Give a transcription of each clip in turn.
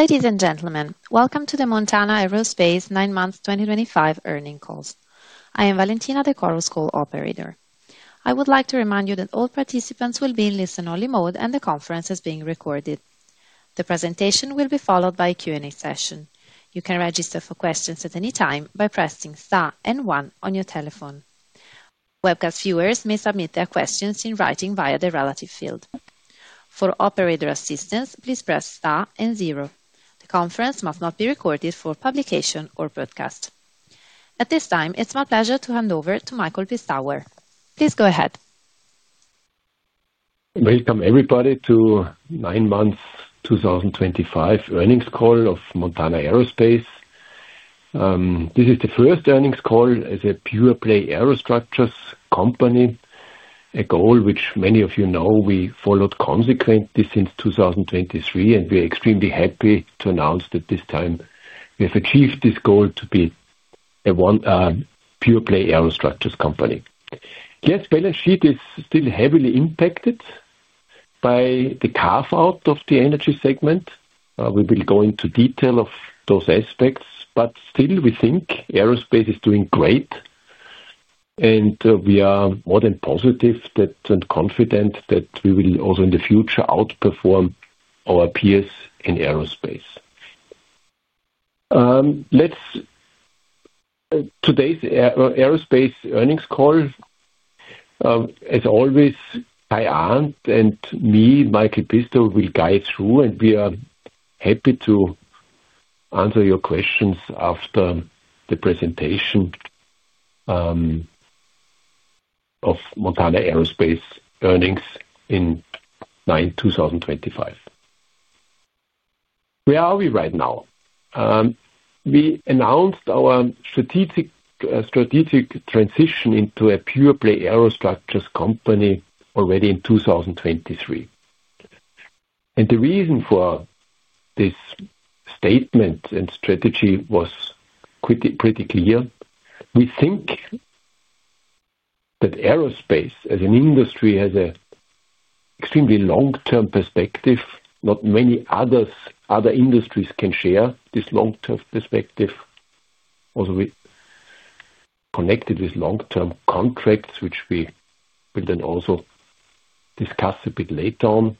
Ladies and gentlemen, welcome to the Montana Aerospace 9 Months 2025 earnings call. I am Valentina, the Coros call operator. I would like to remind you that all participants will be in listen-only mode and the conference is being recorded. The presentation will be followed by a Q&A session. You can register for questions at any time by pressing star and one on your telephone. Webcast viewers may submit their questions in writing via the relevant field. For operator assistance, please press star and zero. The conference must not be recorded for publication or broadcast. At this time, it is my pleasure to hand over to Michael Pistauer. Please go ahead. Welcome everybody to 9 Months 2025 earnings call of Montana Aerospace. This is the first earnings call as a pure-play aerostructures company, a goal which many of you know we followed consequently since 2023, and we are extremely happy to announce that this time we have achieved this goal to be a pure-play aerostructures company. Yes, fellowship is still heavily impacted by the carve-out of the energy segment. We will go into detail of those aspects, but still we think aerospace is doing great, and we are more than positive and confident that we will also in the future outperform our peers in aerospace. Today's aerospace earnings call, as always, Kai and me, Michael Pistauer, will guide through, and we are happy to answer your questions after the presentation of Montana Aerospace earnings in 9 2025. Where are we right now? We announced our strategic transition into a pure-play aerostructures company already in 2023. The reason for this statement and strategy was pretty clear. We think that aerospace as an industry has an extremely long-term perspective. Not many other industries can share this long-term perspective. Also, we connected with long-term contracts, which we will then also discuss a bit later on.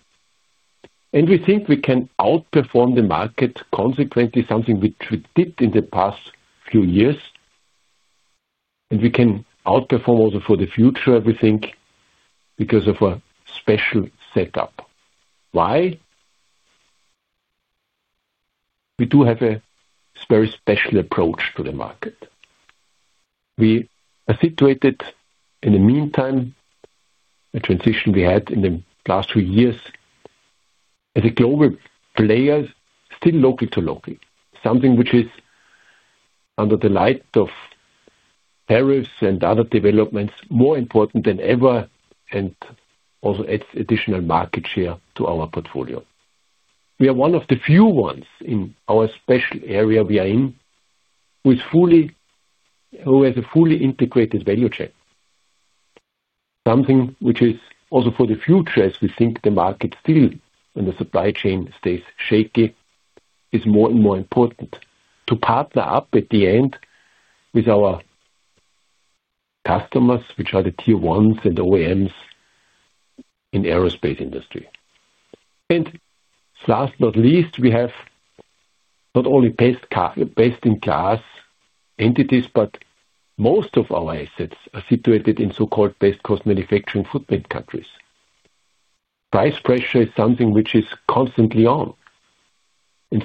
We think we can outperform the market consequently, something which we did in the past few years. We can outperform also for the future, we think, because of our special setup. Why? We do have a very special approach to the market. We are situated in the meantime, a transition we had in the last few years as a global player, still local to local, something which is under the light of tariffs and other developments more important than ever and also adds additional market share to our portfolio. We are one of the few ones in our special area we are in who has a fully integrated value chain, something which is also for the future as we think the market still and the supply chain stays shaky, is more and more important to partner up at the end with our customers, which are the tier ones and OEMs in the aerospace industry. Last but not least, we have not only best-in-class entities, but most of our assets are situated in so-called best-cost manufacturing footprint countries. Price pressure is something which is constantly on.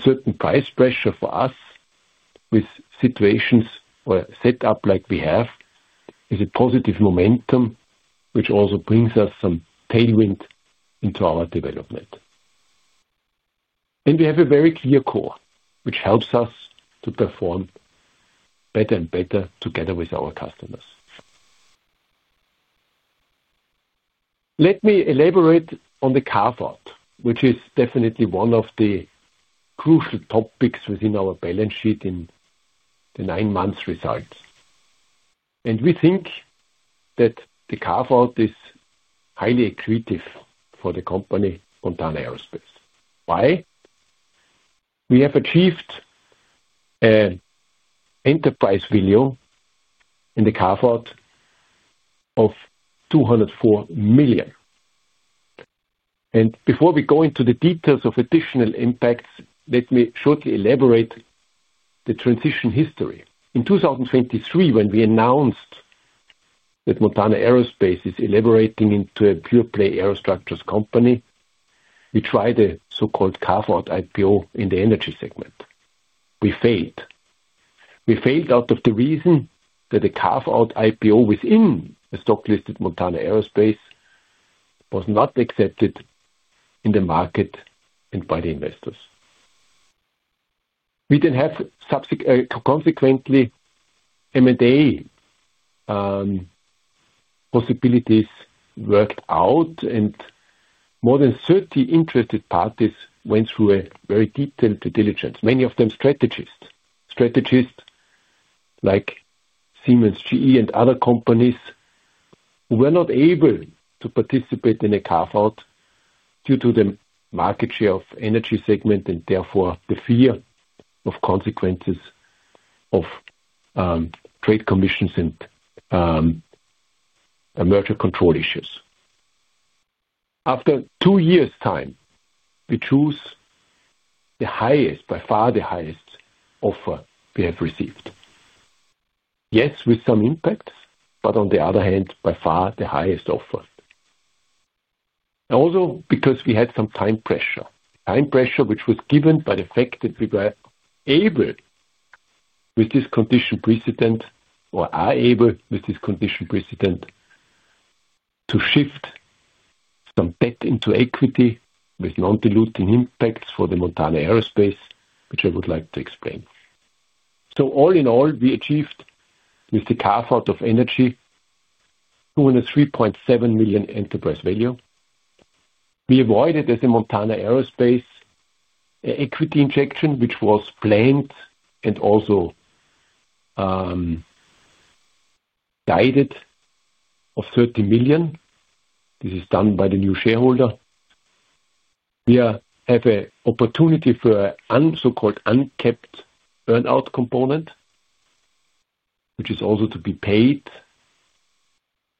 Certain price pressure for us with situations or setup like we have is a positive momentum which also brings us some tailwind into our development. We have a very clear core which helps us to perform better and better together with our customers. Let me elaborate on the carve-out, which is definitely one of the crucial topics within our balance sheet in the 9 Months results. We think that the carve-out is highly accretive for the company Montana Aerospace. Why? We have achieved an enterprise value in the carve-out of 204 million. Before we go into the details of additional impacts, let me shortly elaborate the transition history. In 2023, when we announced that Montana Aerospace is elaborating into a pure-play aerostructures company, we tried a so-called carve-out IPO in the Energy segment. We failed. We failed out of the reason that a carve-out IPO within a stock-listed Montana Aerospace was not accepted in the market and by the investors. We then have consequently M&A possibilities worked out, and more than 30 interested parties went through a very detailed due diligence, many of them strategists, strategists like Siemens, GE, and other companies who were not able to participate in a carve-out due to the market share of the energy segment and therefore the fear of consequences of trade commissions and merger control issues. After two years' time, we choose the highest, by far the highest offer we have received. Yes, with some impacts, but on the other hand, by far the highest offer. Also, because we had some time pressure, time pressure which was given by the fact that we were able with this condition precedent or are able with this condition precedent to shift some debt into equity with non-diluting impacts for Montana Aerospace, which I would like to explain. All in all, we achieved with the carve-out of energy 203.7 million enterprise value. We avoided as Montana Aerospace an equity injection which was planned and also guided of 30 million. This is done by the new shareholder. We have an opportunity for a so-called uncapped earn-out component, which is also to be paid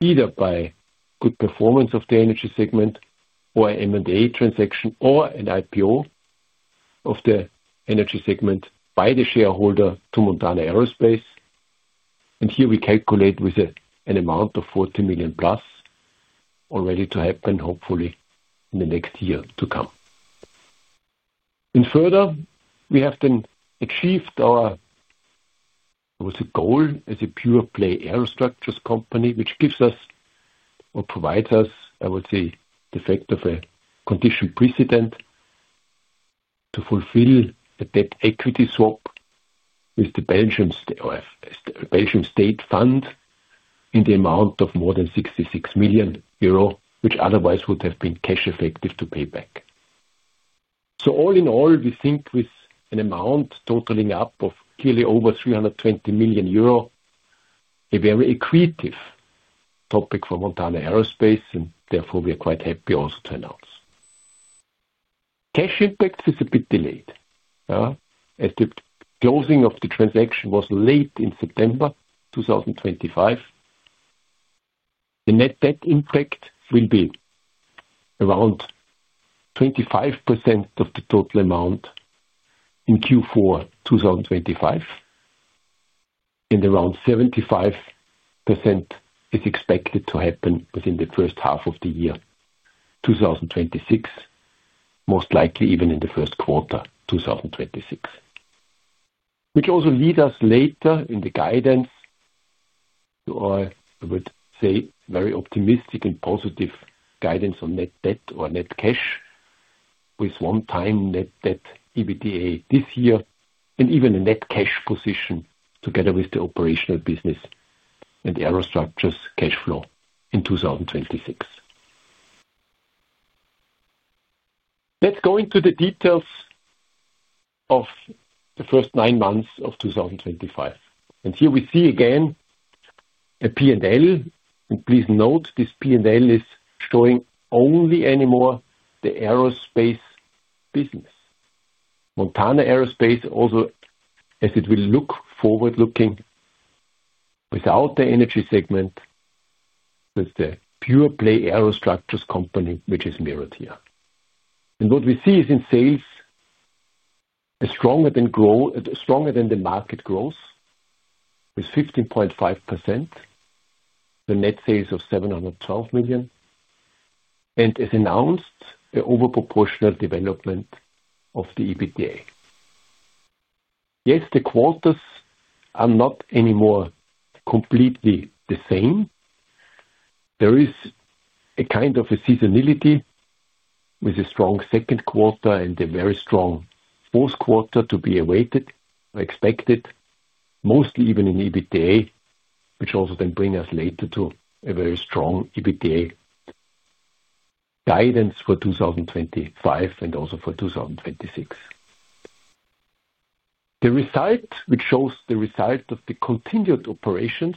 either by good performance of the energy segment or an M&A transaction or an IPO of the energy segment by the shareholder to Montana Aerospace. Here we calculate with an amount of 40+ million already to happen, hopefully, in the next year to come. Further, we have then achieved our goal as a pure-play aerostructures company, which gives us or provides us, I would say, the fact of a condition precedent to fulfill a debt equity swap with the Belgium State Fund in the amount of more than 66 million euro, which otherwise would have been cash effective to pay back. All in all, we think with an amount totaling up of clearly over 320 million euro, a very accretive topic for Montana Aerospace, and therefore we are quite happy also to announce. Cash impact is a bit delayed. As the closing of the transaction was late in September 2025, the net debt impact will be around 25% of the total amount in Q4 2025, and around 75% is expected to happen within the first half of the year 2026, most likely even in the first quarter 2026, which also leads us later in the guidance to our, I would say, very optimistic and positive guidance on net debt or net cash with one-time net debt EBITDA this year and even a net cash position together with the operational business and the aerostructures cash flow in 2026. Let's go into the details of the first 9 months of 2025. Here we see again a P&L, and please note this P&L is showing only anymore the aerospace business. Montana Aerospace also, as it will look forward-looking without the energy segment, with the pure-play aerostructures company which is mirrored here. What we see is in sales a stronger than the market growth with 15.5%, the net sales of 712 million, and as announced, an overproportional development of the EBITDA. The quarters are not anymore completely the same. There is a kind of a seasonality with a strong second quarter and a very strong fourth quarter to be awaited or expected, mostly even in EBITDA, which also then brings us later to a very strong EBITDA guidance for 2025 and also for 2026. The result, which shows the result of the continued operations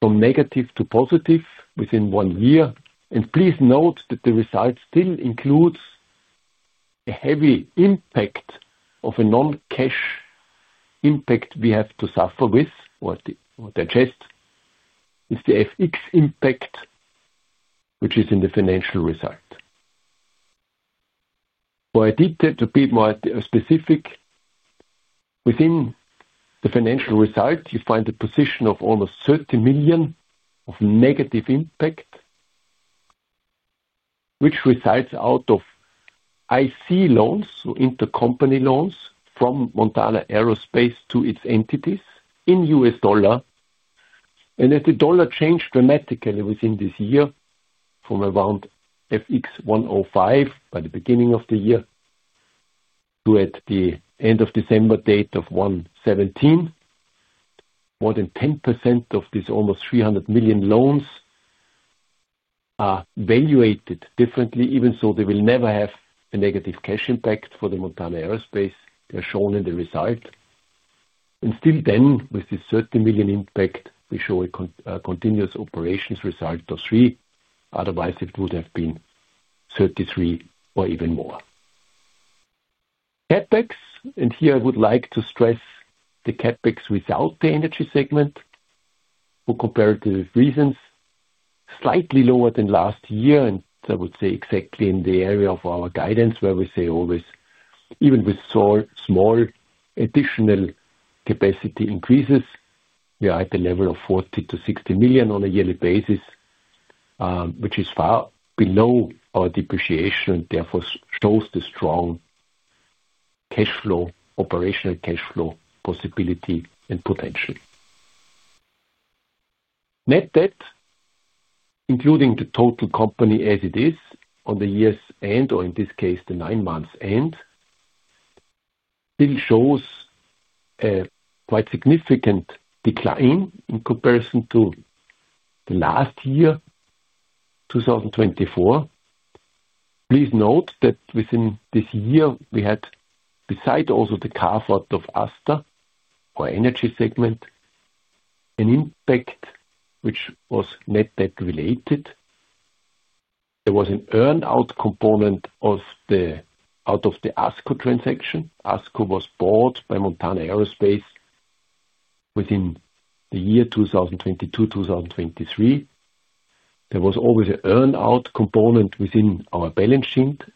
from negative to positive within one year, and please note that the result still includes a heavy impact of a non-cash impact we have to suffer with or digest, is the FX impact, which is in the financial result. For a detail to be more specific, within the financial result, you find a position of almost 30 million of negative impact, which results out of IC loans, so intercompany loans from Montana Aerospace to its entities in USD. As the dollar changed dramatically within this year from around FX 1.05 by the beginning of the year to at the end of December date of 1.17, more than 10% of these almost 300 million loans are valuated differently, even though they will never have a negative cash impact for Montana Aerospace. They are shown in the result. Still then, with this 30 million impact, we show a continuous operations result of 3 million. Otherwise, it would have been 33 million or even more. CapEx, and here I would like to stress the CapEx without the energy segment for comparative reasons, slightly lower than last year, and I would say exactly in the area of our guidance where we say always, even with small additional capacity increases, we are at the level of 40 million-60 million on a yearly basis, which is far below our depreciation and therefore shows the strong operational cash flow possibility and potential. Net debt, including the total company as it is on the year's end or in this case, the 9 months end, still shows a quite significant decline in comparison to the last year, 2024. Please note that within this year, we had, besides also the carve-out of ASTA or energy segment, an impact which was net debt related. There was an earn-out component out of the ASCO transaction. ASCO was bought by Montana Aerospace within the year 2022, 2023. There was always an earn-out component within our balance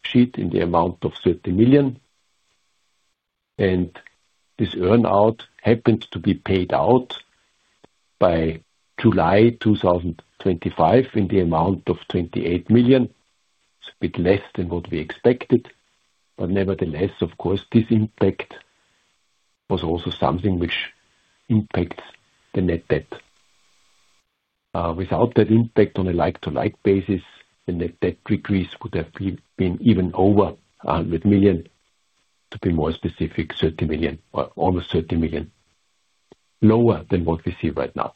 sheet in the amount of 30 million. And this earn-out happened to be paid out by July 2025 in the amount of 28 million. It's a bit less than what we expected, but nevertheless, of course, this impact was also something which impacts the net debt. Without that impact on a like-to-like basis, the net debt decrease would have been even over 100 million, to be more specific, 30 million, almost 30 million, lower than what we see right now.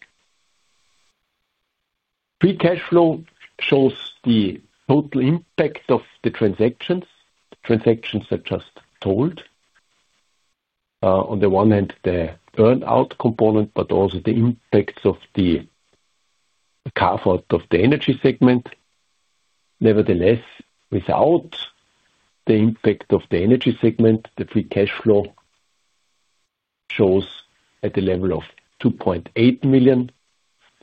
Free cash flow shows the total impact of the transactions, the transactions that just sold. On the one hand, the earn-out component, but also the impacts of the carve-out of the energy segment. Nevertheless, without the impact of the energy segment, the free cash flow shows at a level of 2.8 million.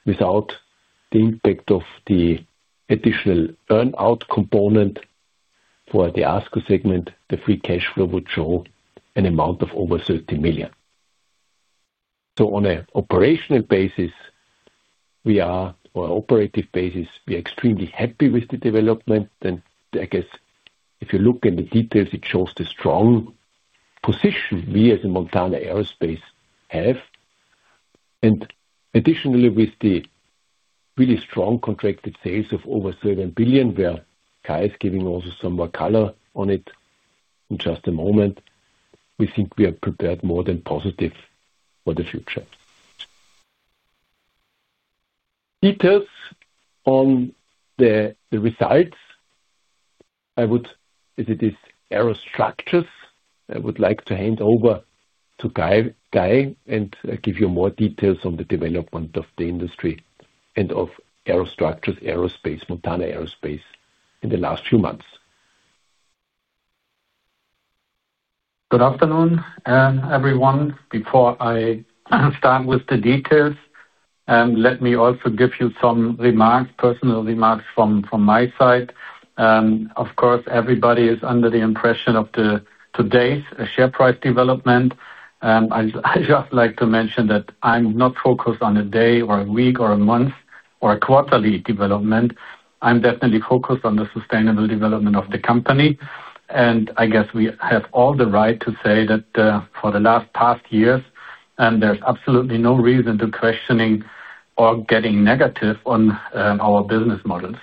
Without the impact of the additional earn-out component for the ASCO segment, the free cash flow would show an amount of over 30 million. On an operational basis, or operative basis, we are extremely happy with the development. I guess if you look in the details, it shows the strong position we as Montana Aerospace have. Additionally, with the really strong contracted sales of over 7 billion, where Kai is giving also some more color on it in just a moment, we think we are prepared more than positive for the future. Details on the results, as it is, Aerostructures, I would like to hand over to Kai and give you more details on the development of the industry and of Aerostructures, Aerospace, Montana Aerospace in the last few months. Good afternoon, everyone. Before I start with the details, let me also give you some personal remarks from my side. Of course, everybody is under the impression of today's share price development. I just like to mention that I'm not focused on a day or a week or a month or a quarterly development. I'm definitely focused on the sustainable development of the company. I guess we have all the right to say that for the last past years, there's absolutely no reason to questioning or getting negative on our business model.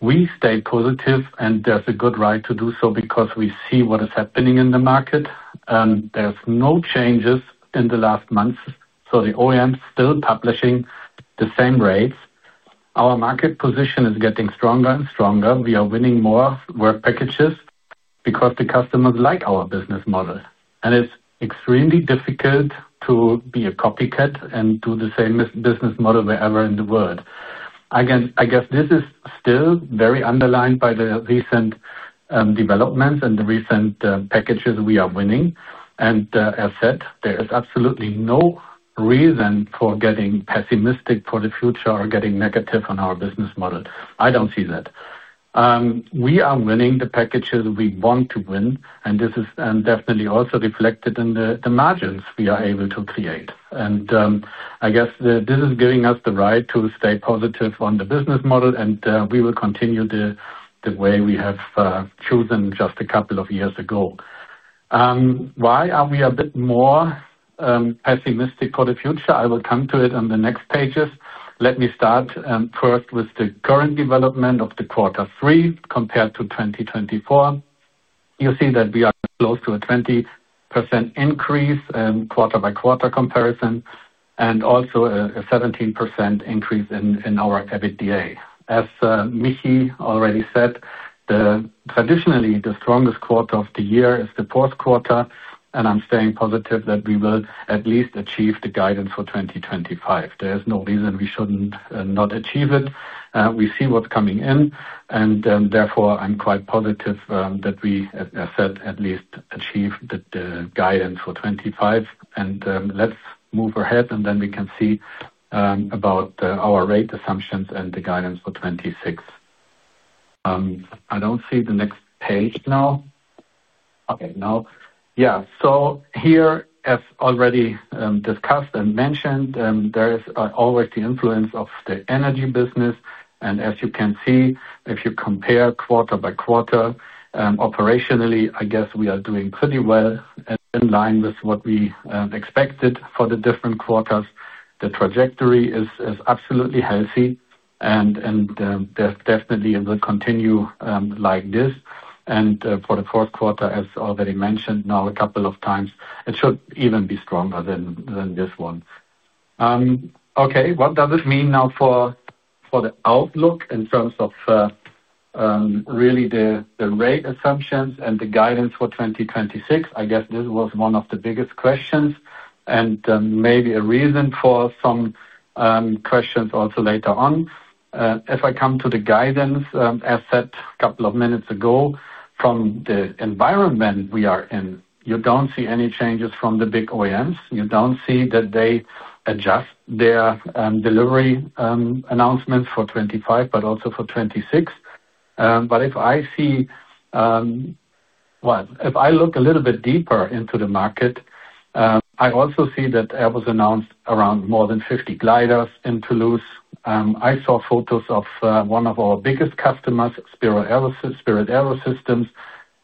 We stay positive, and there's a good right to do so because we see what is happening in the market. There are no changes in the last months. The OEMs are still publishing the same rates. Our market position is getting stronger and stronger. We are winning more work packages because the customers like our business model. It is extremely difficult to be a copycat and do the same business model wherever in the world. I guess this is still very underlined by the recent developments and the recent packages we are winning. As said, there is absolutely no reason for getting pessimistic for the future or getting negative on our business model. I do not see that. We are winning the packages we want to win, and this is definitely also reflected in the margins we are able to create. I guess this is giving us the right to stay positive on the business model, and we will continue the way we have chosen just a couple of years ago. Why are we a bit more pessimistic for the future? I will come to it on the next pages. Let me start first with the current development of the quarter three compared to 2024. You see that we are close to a 20% increase in quarter-by-quarter comparison and also a 17% increase in our EBITDA. As Michi already said, traditionally, the strongest quarter of the year is the fourth quarter, and I'm staying positive that we will at least achieve the guidance for 2025. There is no reason we should not achieve it. We see what's coming in, and therefore, I'm quite positive that we, as I said, at least achieve the guidance for 2025. Let's move ahead, and then we can see about our rate assumptions and the guidance for 2026. I do not see the next page now. Okay, now, yeah. Here, as already discussed and mentioned, there is always the influence of the energy business. As you can see, if you compare quarter by quarter, operationally, I guess we are doing pretty well in line with what we expected for the different quarters. The trajectory is absolutely healthy, and definitely it will continue like this. For the fourth quarter, as already mentioned now a couple of times, it should even be stronger than this one. Okay, what does it mean now for the outlook in terms of really the rate assumptions and the guidance for 2026? I guess this was one of the biggest questions and maybe a reason for some questions also later on. If I come to the guidance, as said a couple of minutes ago, from the environment we are in, you do not see any changes from the big OEMs. You do not see that they adjust their delivery announcements for 2025, but also for 2026. If I look a little bit deeper into the market, I also see that Airbus announced around more than 50 gliders in Toulouse. I saw photos of one of our biggest customers, Spirit AeroSystems,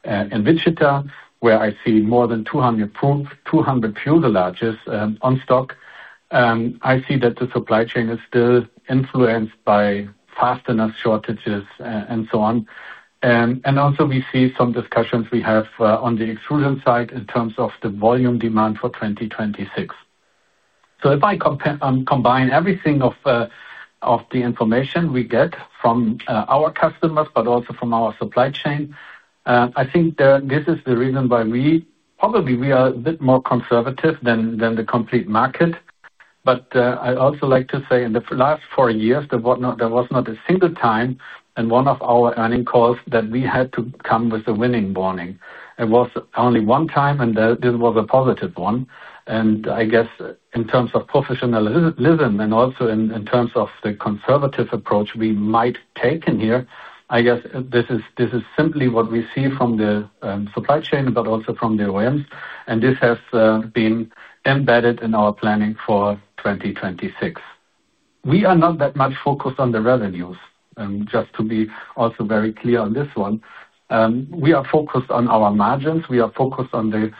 in Wichita, where I see more than 200 fuel garages on stock. I see that the supply chain is still influenced by fast enough shortages and so on. Also, we see some discussions we have on the exclusion side in terms of the volume demand for 2026. If I combine everything of the information we get from our customers, but also from our supply chain, I think this is the reason why we probably are a bit more conservative than the complete market. I'd also like to say in the last four years, there was not a single time in one of our earning calls that we had to come with a warning. It was only one time, and this was a positive one. I guess in terms of professionalism and also in terms of the conservative approach we might take in here, I guess this is simply what we see from the supply chain, but also from the OEMs. This has been embedded in our planning for 2026. We are not that much focused on the revenues, just to be also very clear on this one. We are focused on our margins. We are focused on the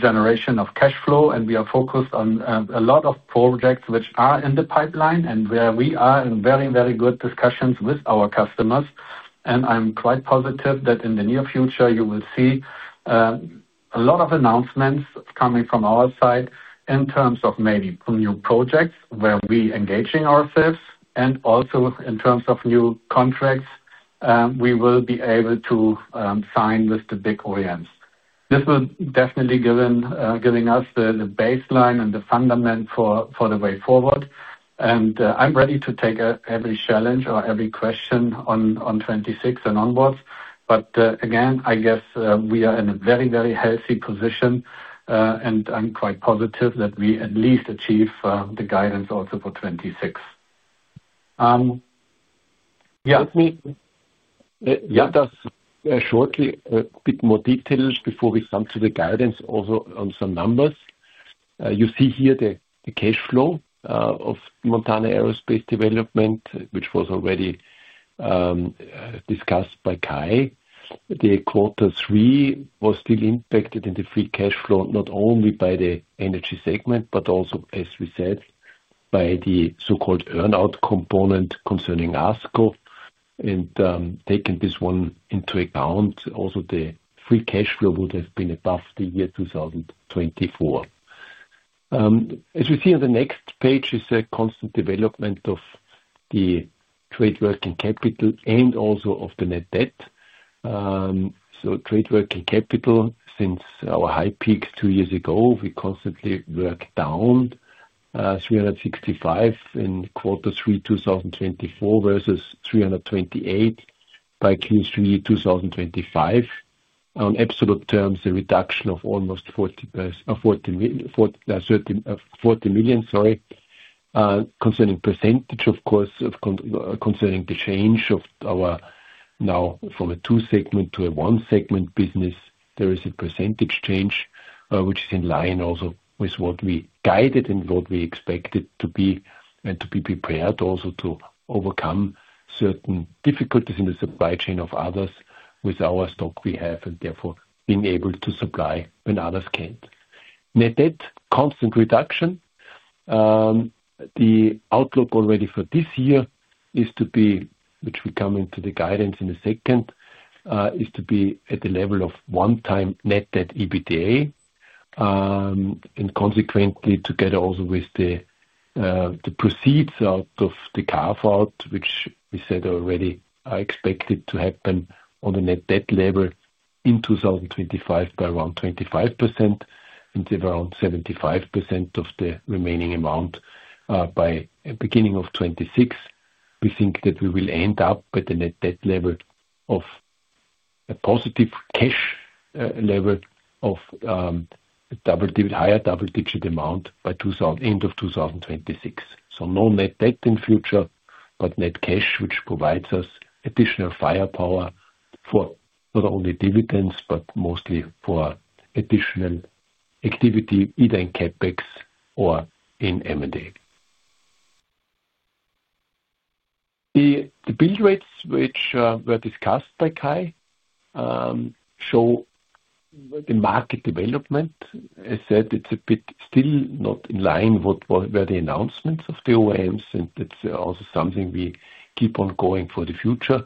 generation of cash flow, and we are focused on a lot of projects which are in the pipeline and where we are in very, very good discussions with our customers. I am quite positive that in the near future, you will see a lot of announcements coming from our side in terms of maybe new projects where we engage in ourselves and also in terms of new contracts we will be able to sign with the big OEMs. This will definitely give us the baseline and the fundament for the way forward. I am ready to take every challenge or every question on 2026 and onwards. I guess we are in a very, very healthy position, and I am quite positive that we at least achieve the guidance also for 2026. Yeah. Let me just shortly a bit more details before we come to the guidance also on some numbers. You see here the cash flow of Montana Aerospace Development, which was already discussed by Kai. Quarter three was still impacted in the free cash flow, not only by the energy segment, but also, as we said, by the so-called earn-out component concerning ASCO. Taking this one into account, also the free cash flow would have been above the year 2024. As we see on the next page is a constant development of the trade working capital and also of the net debt. Trade working capital, since our high peaks two years ago, we constantly work down 365 in quarter three 2024 versus 328 by Q3 2025. On absolute terms, a reduction of almost 40 million, sorry. Concerning percentage, of course, concerning the change of our now from a two-segment to a one-segment business, there is a percentage change which is in line also with what we guided and what we expected to be and to be prepared also to overcome certain difficulties in the supply chain of others with our stock we have and therefore being able to supply when others can't. Net debt constant reduction. The outlook already for this year is to be, which we come into the guidance in a second, is to be at the level of one-time net debt EBITDA and consequently together also with the proceeds out of the carve-out, which we said already are expected to happen on the net debt level in 2025 by around 25% into around 75% of the remaining amount by beginning of 2026. We think that we will end up at the net debt level of a positive cash level of a higher double-digit amount by end of 2026. No net debt in future, but net cash, which provides us additional firepower for not only dividends, but mostly for additional activity, either in CapEx or in M&A. The build rates, which were discussed by Kai, show the market development. As said, it is a bit still not in line with the announcements of the OEMs, and it is also something we keep on going for the future.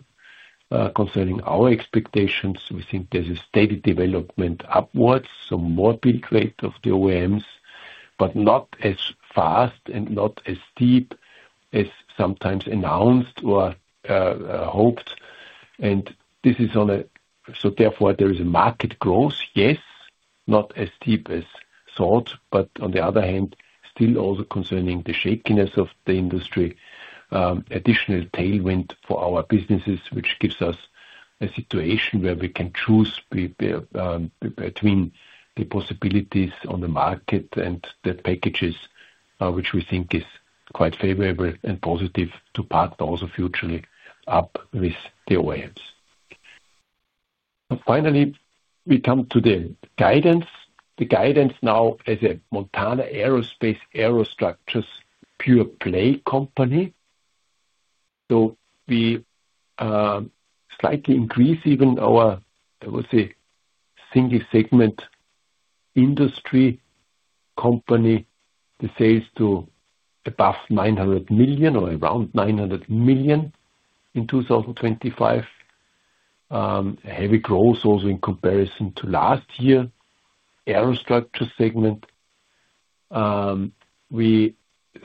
Concerning our expectations, we think there is a steady development upwards, some more build rate of the OEMs, but not as fast and not as steep as sometimes announced or hoped. There is a market growth, yes, not as steep as thought, but on the other hand, still also concerning the shakiness of the industry, additional tailwind for our businesses, which gives us a situation where we can choose between the possibilities on the market and the packages, which we think is quite favorable and positive to part also futurely up with the OEMs. Finally, we come to the guidance. The guidance now is a Montana Aerospace Aerostructures pure play company. We slightly increase even our, I would say, single-segment industry company, the sales to above 900 million or around 900 million in 2025. Heavy growth also in comparison to last year. Aerostructures segment. We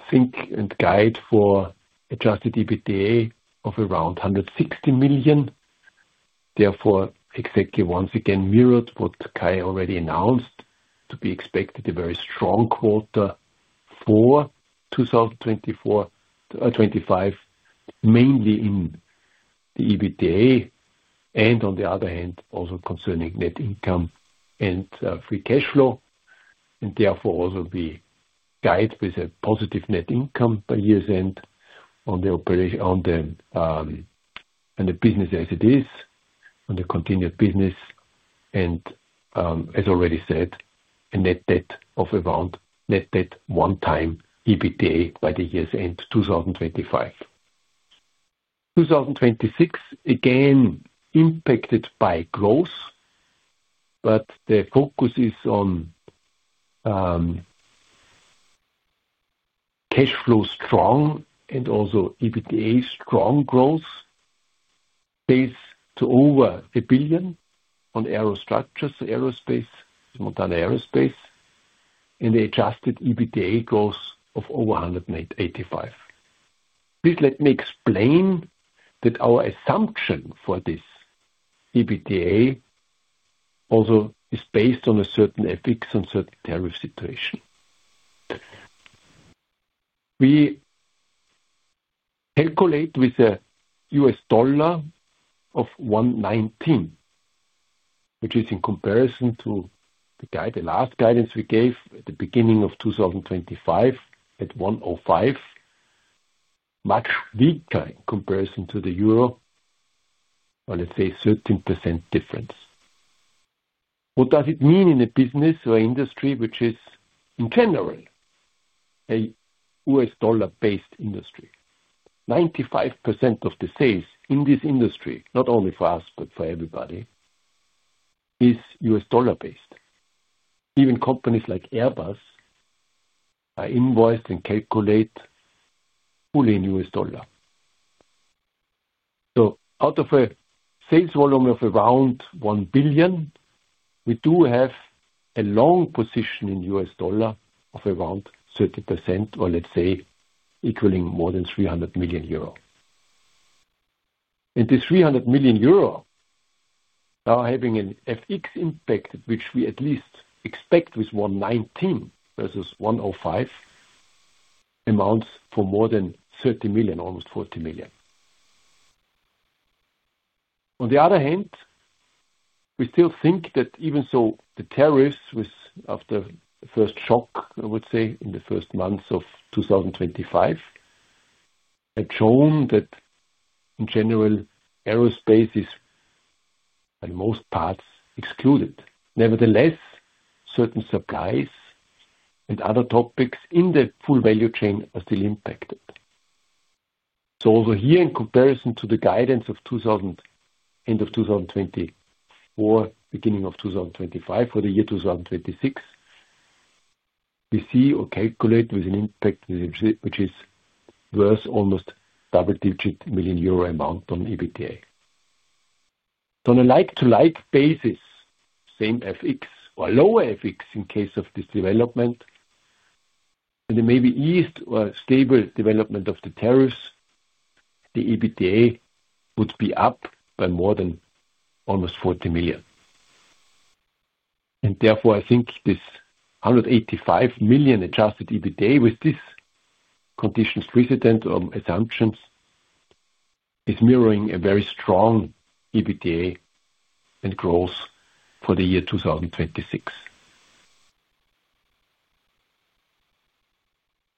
think and guide for Adjusted EBITDA of around 160 million. Therefore, exactly once again mirrored what Kai already announced to be expected, a very strong quarter for 2024-2025, mainly in the EBITDA and on the other hand also concerning net income and free cash flow. Therefore, also we guide with a positive net income by year's end on the business as it is, on the continued business. As already said, a net debt of around net debt one-time EBITDA by the year's end 2025. 2026, again, impacted by growth, but the focus is on cash flow strong and also EBITDA strong growth. Sales to over 1 billion on Aerostructures, Aerospace, Montana Aerospace, and the adjusted EBITDA growth of over 185 million. Please let me explain that our assumption for this EBITDA also is based on a certain FX and certain tariff situation. We calculate with a U.S. dollar of 119, which is in comparison to the last guidance we gave at the beginning of 2025 at 105, much weaker in comparison to the euro, let's say 13% difference. What does it mean in a business or industry which is in general a U.S. dollar-based industry? 95% of the sales in this industry, not only for us, but for everybody, is US dollar-based. Even companies like Airbus are invoiced and calculate fully in U.S. dollar. Out of a sales volume of around 1 billion, we do have a long position in U.S. dollar of around 30% or let's say equaling more than 300 million euro. This 300 million euro, now having an FX impact, which we at least expect with 119 versus 105, amounts for more than 30 million, almost 40 million. On the other hand, we still think that even so the tariffs after the first shock, I would say, in the first months of 2025, had shown that in general, aerospace is by most parts excluded. Nevertheless, certain supplies and other topics in the full value chain are still impacted. Also here in comparison to the guidance of end of 2024, beginning of 2025 for the year 2026, we see or calculate with an impact which is worth almost double-digit million EUR amount on EBITDA. On a like-to-like basis, same FX or lower FX in case of this development, and it may be eased or stable development of the tariffs, the EBITDA would be up by more than almost 40 million. Therefore, I think this 185 million Adjusted EBITDA with these conditions precedent or assumptions is mirroring a very strong EBITDA and growth for the year 2026.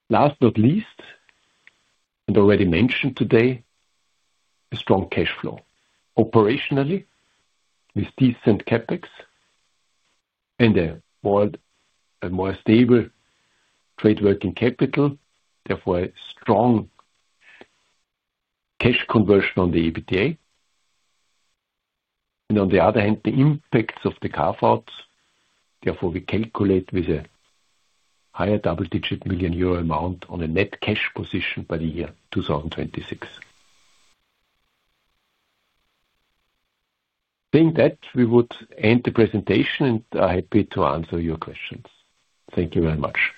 Last but not least, and already mentioned today, a strong cash flow. Operationally, with decent CapEx and a more stable trade working capital, therefore a strong cash conversion on the EBITDA. On the other hand, the impacts of the carve-outs, therefore we calculate with a higher double-digit million EUR amount on a net cash position by the year 2026. Saying that, we would end the presentation and are happy to answer your questions. Thank you very much.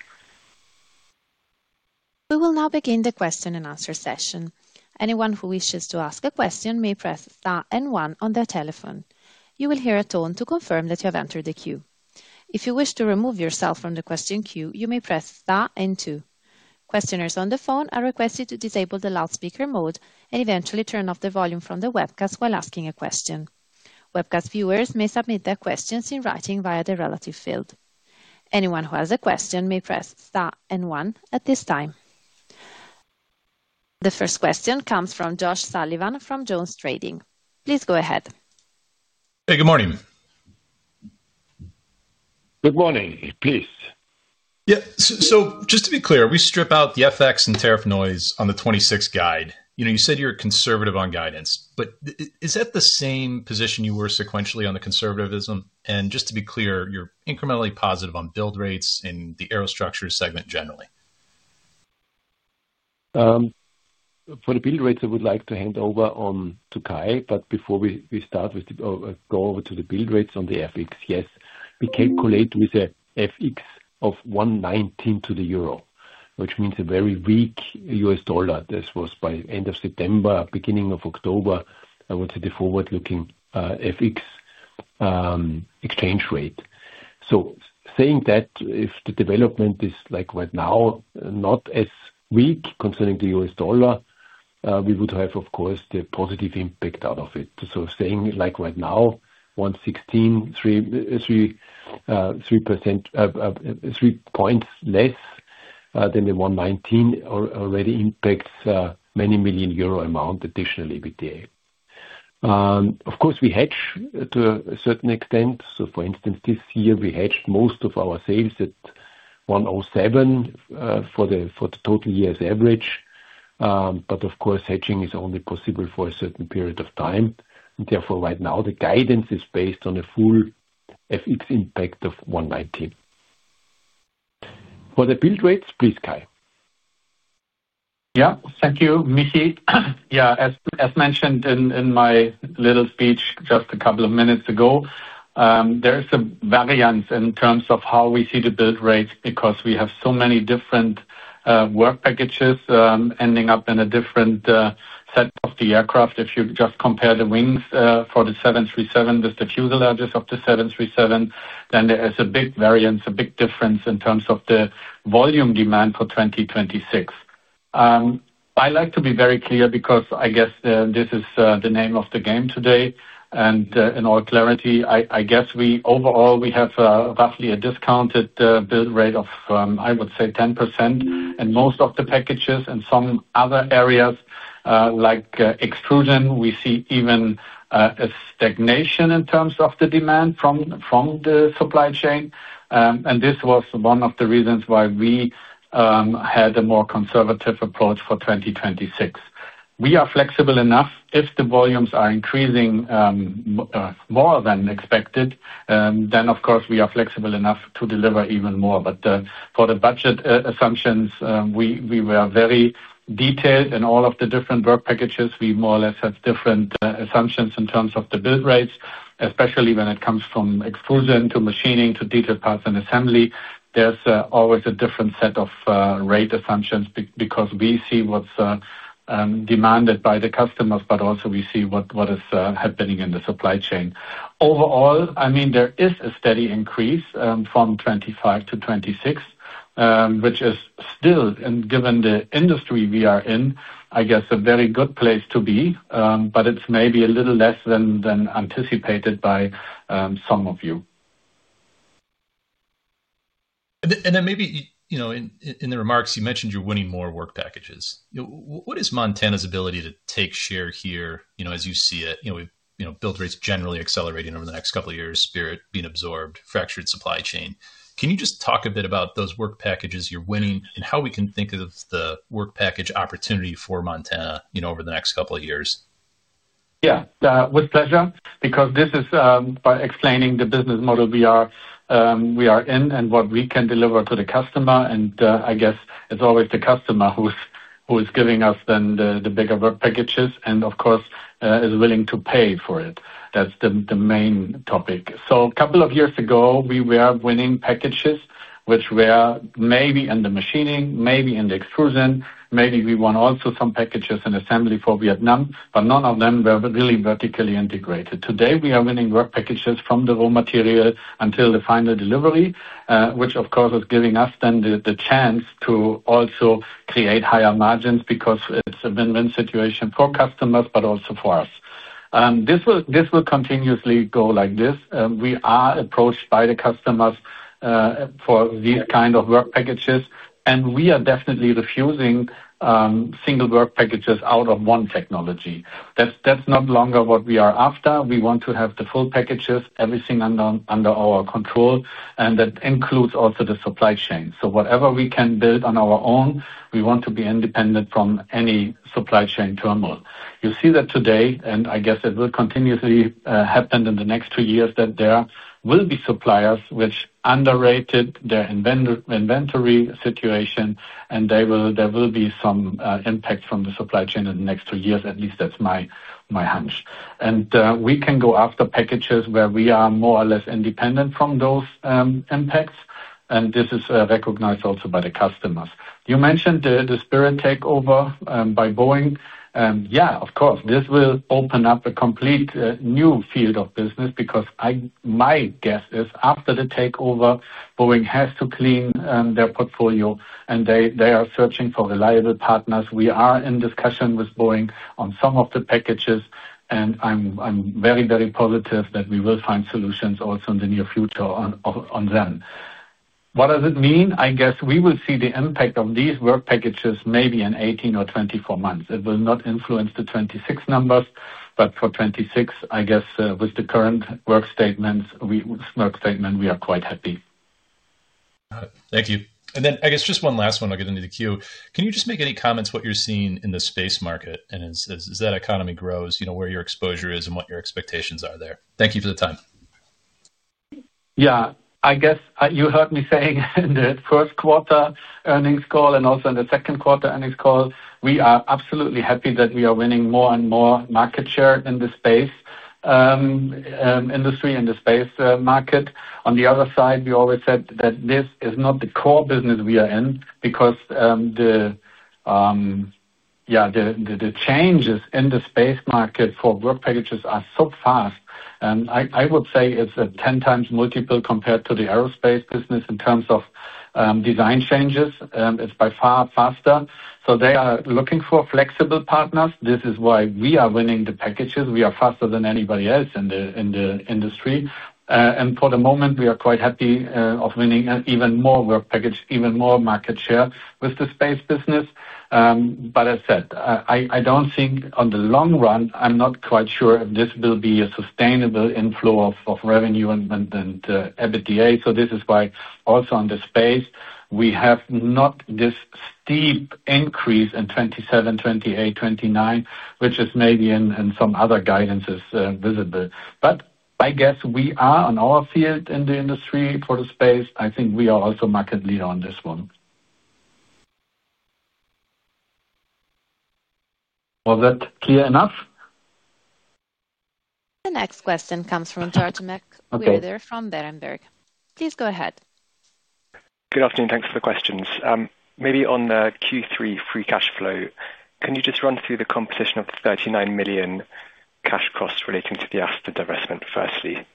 We will now begin the question and answer session. Anyone who wishes to ask a question may press star and one on their telephone. You will hear a tone to confirm that you have entered the queue. If you wish to remove yourself from the question queue, you may press star and two. Questioners on the phone are requested to disable the loudspeaker mode and eventually turn off the volume from the webcast while asking a question. Webcast viewers may submit their questions in writing via the relative field. Anyone who has a question may press star and one at this time. The first question comes from Josh Sullivan from Jones Trading. Please go ahead. Hey, good morning. Good morning, please. Yeah. Just to be clear, we strip out the FX and tariff noise on the 2026 guide. You said you're conservative on guidance, but is that the same position you were sequentially on the conservatism? Just to be clear, you're incrementally positive on build rates and the Aerostructures segment generally. For the build rates, I would like to hand over to Kai, but before we start with the go over to the build rates on the FX, yes, we calculate with an FX of 1.19 to the euro, which means a very weak U.S. dollar. This was by the end of September, beginning of October, I would say the forward-looking FX exchange rate. Saying that, if the development is like right now, not as weak concerning the U.S. dollar, we would have, of course, the positive impact out of it. Saying like right now, 1.16, 3 points less than the 1.19 already impacts many million EUR amount additional EBITDA. Of course, we hedge to a certain extent. For instance, this year, we hedged most of our sales at 1.07 for the total year's average. Of course, hedging is only possible for a certain period of time. Therefore, right now, the guidance is based on a full FX impact of 11.9. For the build rates, please, Kai. Yeah, thank you, Micky. Yeah, as mentioned in my little speech just a couple of minutes ago, there is a variance in terms of how we see the build rates because we have so many different work packages ending up in a different set of the aircraft. If you just compare the wings for the 737, the diffuser ledgers of the 737, then there is a big variance, a big difference in terms of the volume demand for 2026. I like to be very clear because I guess this is the name of the game today. In all clarity, I guess we overall, we have roughly a discounted build rate of, I would say, 10% in most of the packages and some other areas like extrusion. We see even a stagnation in terms of the demand from the supply chain. This was one of the reasons why we had a more conservative approach for 2026. We are flexible enough. If the volumes are increasing more than expected, we are flexible enough to deliver even more. For the budget assumptions, we were very detailed in all of the different work packages. We more or less have different assumptions in terms of the build rates, especially when it comes from extrusion to machining to detailed parts and assembly. There is always a different set of rate assumptions because we see what is demanded by the customers, but also we see what is happening in the supply chain. Overall, I mean, there is a steady increase from 25 to 26, which is still, and given the industry we are in, I guess a very good place to be, but it's maybe a little less than anticipated by some of you. In the remarks, you mentioned you're winning more work packages. What is Montana's ability to take share here as you see it? Build rates generally accelerating over the next couple of years, Spirit being absorbed, fractured supply chain. Can you just talk a bit about those work packages you're winning and how we can think of the work package opportunity for Montana over the next couple of years? Yeah, with pleasure. Because this is by explaining the business model we are in and what we can deliver to the customer. I guess it's always the customer who is giving us then the bigger work packages and, of course, is willing to pay for it. That's the main topic. A couple of years ago, we were winning packages which were maybe in the machining, maybe in the extrusion. Maybe we won also some packages in assembly for Vietnam, but none of them were really vertically integrated. Today, we are winning work packages from the raw material until the final delivery, which of course is giving us then the chance to also create higher margins because it's a win-win situation for customers, but also for us. This will continuously go like this. We are approached by the customers for these kind of work packages, and we are definitely refusing single work packages out of one technology. That's not longer what we are after. We want to have the full packages, everything under our control, and that includes also the supply chain. Whatever we can build on our own, we want to be independent from any supply chain terminal. You see that today, and I guess it will continuously happen in the next two years that there will be suppliers which underrated their inventory situation, and there will be some impact from the supply chain in the next two years. At least that's my hunch. We can go after packages where we are more or less independent from those impacts, and this is recognized also by the customers. You mentioned the Spirit takeover by Boeing. Yeah, of course, this will open up a complete new field of business because my guess is after the takeover, Boeing has to clean their portfolio, and they are searching for reliable partners. We are in discussion with Boeing on some of the packages, and I'm very, very positive that we will find solutions also in the near future on them. What does it mean? I guess we will see the impact of these work packages maybe in 18 or 24 months. It will not influence the 2026 numbers, but for 2026, I guess with the current work statement, we are quite happy. Thank you. I guess just one last one, I'll get into the queue. Can you just make any comments about what you're seeing in the space market and as that economy grows, where your exposure is and what your expectations are there? Thank you for the time. Yeah, I guess you heard me saying in the first quarter earnings call and also in the second quarter earnings call, we are absolutely happy that we are winning more and more market share in the space industry, in the space market. On the other side, we always said that this is not the core business we are in because the changes in the space market for work packages are so fast. I would say it's a 10x multiple compared to the aerospace business in terms of design changes. It's by far faster. They are looking for flexible partners. This is why we are winning the packages. We are faster than anybody else in the industry. For the moment, we are quite happy of winning even more work package, even more market share with the space business. I said, I do not think in the long run, I am not quite sure if this will be a sustainable inflow of revenue and EBITDA. This is why also on the space, we do not have this steep increase in 2027, 2028, 2029, which is maybe in some other guidances visible. I guess we are on our field in the industry for the space. I think we are also market leader on this one. Was that clear enough? The next question comes from [Artemek Weder from Berenberg]. Please go ahead. Good afternoon. Thanks for the questions. Maybe on the Q3 free cash flow, can you just run through the composition of the 39 million cash costs relating to the after-divestment firstly?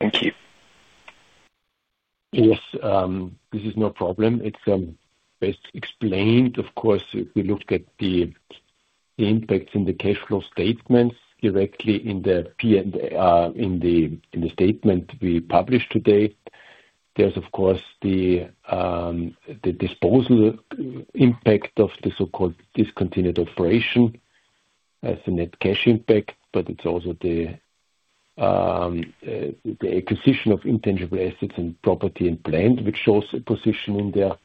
Thank you. Yes, this is no problem. It's best explained, of course, if we look at the impacts in the cash flow statements directly in the statement we published today. There's, of course, the disposal impact of the so-called discontinued operation as a net cash impact, but it's also the acquisition of intangible assets and property in plant, which shows a position in there.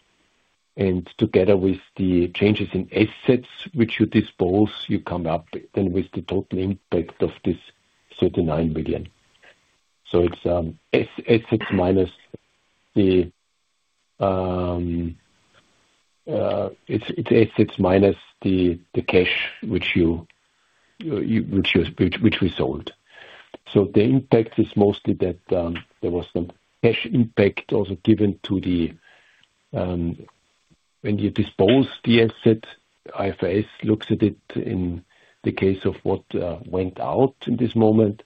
Together with the changes in assets, which you dispose, you come up then with the total impact of this 39 million. It's assets minus the assets minus the cash, which we sold. The impact is mostly that there was some cash impact also given to the when you dispose the asset, IFRS looks at it in the case of what went out in this moment.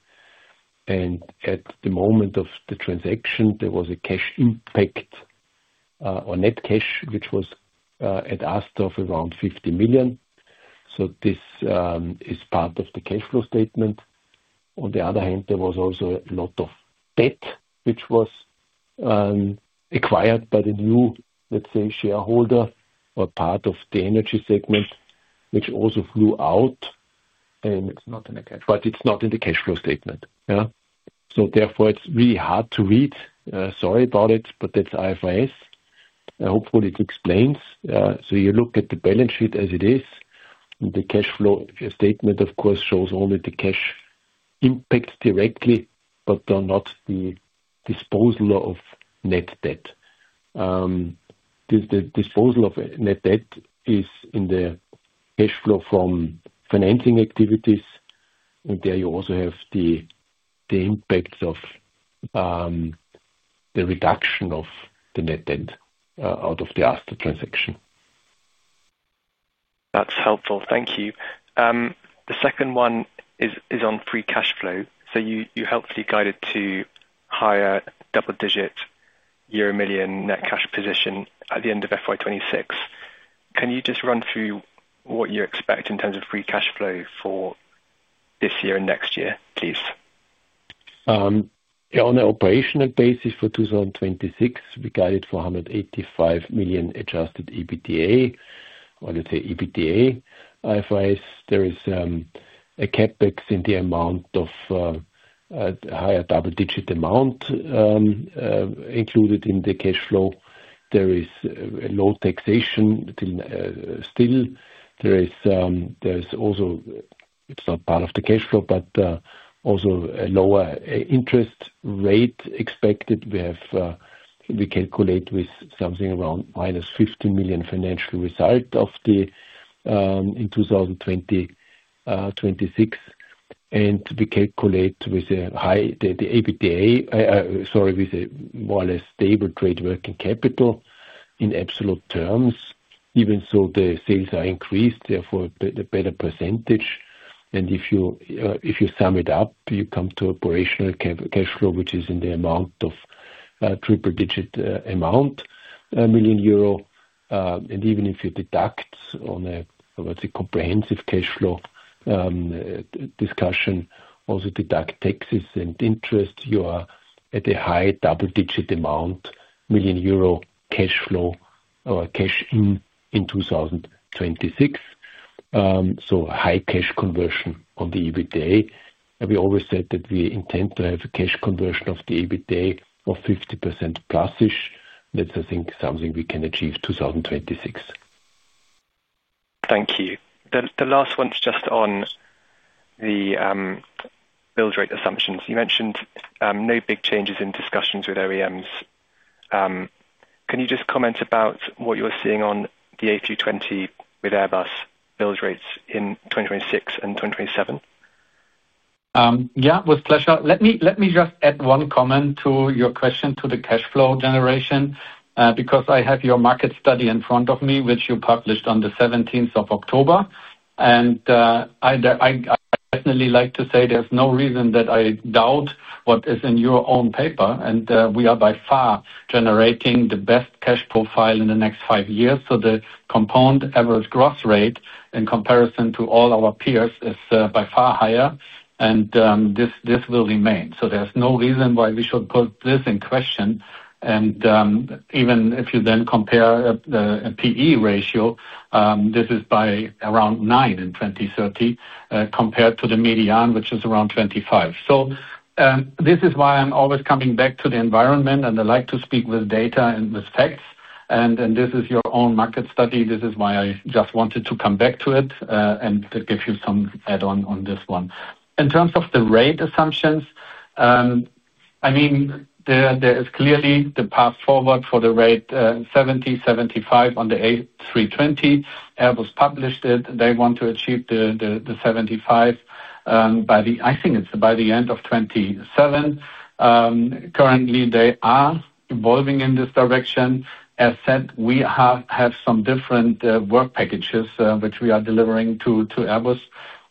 At the moment of the transaction, there was a cash impact or net cash, which was at ask of around 50 million. This is part of the cash flow statement. On the other hand, there was also a lot of debt, which was acquired by the new, let's say, shareholder or part of the energy segment, which also flew out. It's not in the cash flow. It's not in the cash flow statement. Yeah. Therefore, it's really hard to read. Sorry about it, but that's IFRS. Hopefully, it explains. You look at the balance sheet as it is. The cash flow statement, of course, shows only the cash impact directly, but not the disposal of net debt. The disposal of net debt is in the cash flow from financing activities, and there you also have the impact of the reduction of the net debt out of the Aster transaction. That's helpful. Thank you. The second one is on free cash flow. You helpfully guided to higher double-digit year-end million net cash position at the end of FY 2026. Can you just run through what you expect in terms of free cash flow for this year and next year, please? On an operational basis for 2026, we guided 485 million adjusted EBITDA, or let's say EBITDA IFRS. There is a CapEx in the amount of higher double-digit amount included in the cash flow. There is low taxation still. There is also, it's not part of the cash flow, but also a lower interest rate expected. We calculate with something around minus 15 million financial result in 2026. We calculate with a high, the EBITDA, sorry, with a more or less stable trade working capital in absolute terms, even though the sales are increased, therefore a better percentage. If you sum it up, you come to operational cash flow, which is in the amount of a triple-digit amount, million EUR. Even if you deduct, on a comprehensive cash flow discussion, also deduct taxes and interest, you are at a high double-digit amount, million EUR cash flow or cash in 2026. High cash conversion on the EBITDA. We always said that we intend to have a cash conversion of the EBITDA of 50% plus-ish. That is, I think, something we can achieve in 2026. Thank you. The last one is just on the build rate assumptions. You mentioned no big changes in discussions with OEMs. Can you just comment about what you are seeing on the A320 with Airbus build rates in 2026 and 2027? Yeah, with pleasure. Let me just add one comment to your question to the cash flow generation because I have your market study in front of me, which you published on the 17th of October. I definitely like to say there's no reason that I doubt what is in your own paper. We are by far generating the best cash profile in the next five years. The compound average gross rate in comparison to all our peers is by far higher, and this will remain. There is no reason why we should put this in question. Even if you then compare a PE ratio, this is by around 9 in 2030 compared to the median, which is around 25. This is why I'm always coming back to the environment, and I like to speak with data and with facts. This is your own market study. This is why I just wanted to come back to it and give you some add-on on this one. In terms of the rate assumptions, I mean, there is clearly the path forward for the rate 70-75 on the A320. Airbus published it. They want to achieve the 75 by the, I think it's by the end of 2027. Currently, they are evolving in this direction. As said, we have some different work packages which we are delivering to Airbus.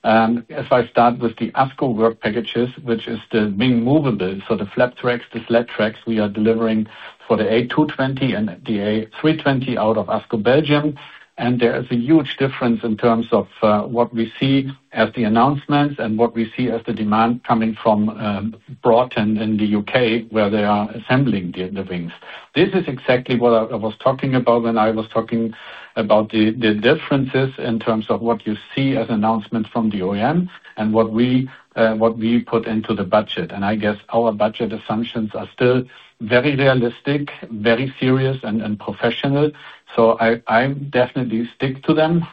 As I start with the ASCO work packages, which is the main movable, so the flap tracks, the sled tracks, we are delivering for the A220 and the A320 out of ASCO Belgium. And there is a huge difference in terms of what we see as the announcements and what we see as the demand coming from Broughton in the U.K. where they are assembling the wings. This is exactly what I was talking about when I was talking about the differences in terms of what you see as announcements from the OEM and what we put into the budget. I guess our budget assumptions are still very realistic, very serious, and professional. I definitely stick to them.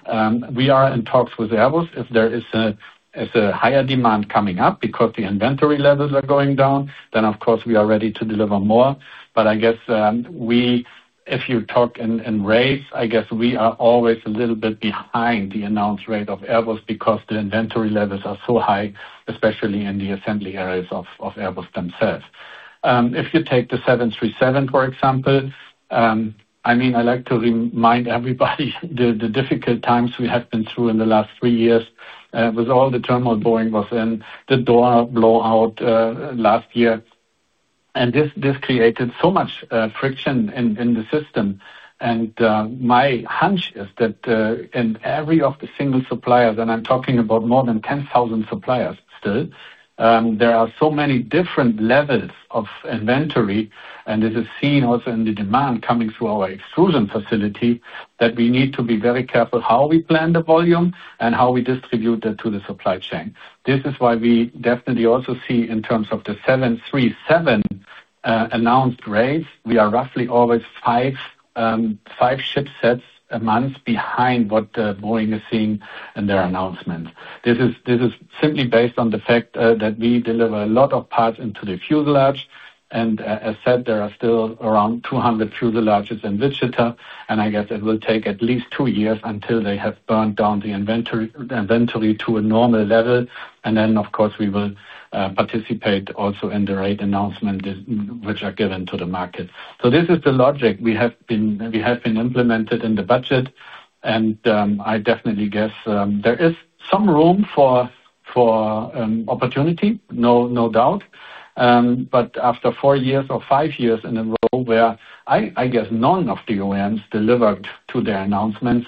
We are in talks with Airbus. If there is a higher demand coming up because the inventory levels are going down, of course we are ready to deliver more. I guess if you talk in rates, we are always a little bit behind the announced rate of Airbus because the inventory levels are so high, especially in the assembly areas of Airbus themselves. If you take the 737, for example, I mean, I like to remind everybody the difficult times we have been through in the last three years with all the turmoil Boeing was in, the door blowout last year. This created so much friction in the system. My hunch is that in every single supplier, and I am talking about more than 10,000 suppliers still, there are so many different levels of inventory. This is seen also in the demand coming through our extrusion facility that we need to be very careful how we plan the volume and how we distribute that to the supply chain. This is why we definitely also see in terms of the 737 announced rates, we are roughly always five ship sets a month behind what Boeing is seeing in their announcements. This is simply based on the fact that we deliver a lot of parts into the fuselage. As said, there are still around 200 fuselages in Wichita. I guess it will take at least two years until they have burned down the inventory to a normal level. Of course, we will participate also in the rate announcements which are given to the market. This is the logic we have implemented in the budget. I definitely guess there is some room for opportunity, no doubt. After four years or five years in a row where I guess none of the OEMs delivered to their announcements,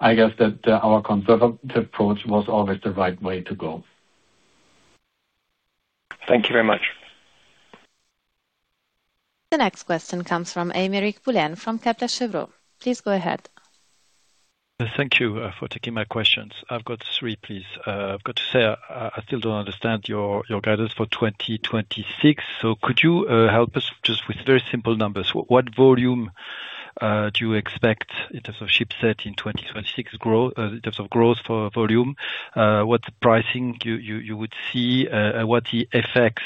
I guess that our conservative approach was always the right way to go. Thank you very much. The next question comes from Emeric Boulen from Exane BNP Paribas. Please go ahead. Thank you for taking my questions. I've got three, please. I've got to say I still don't understand your guidance for 2026. Could you help us just with very simple numbers? What volume do you expect in terms of ship set in 2026 in terms of growth for volume? What pricing you would see? What's the FX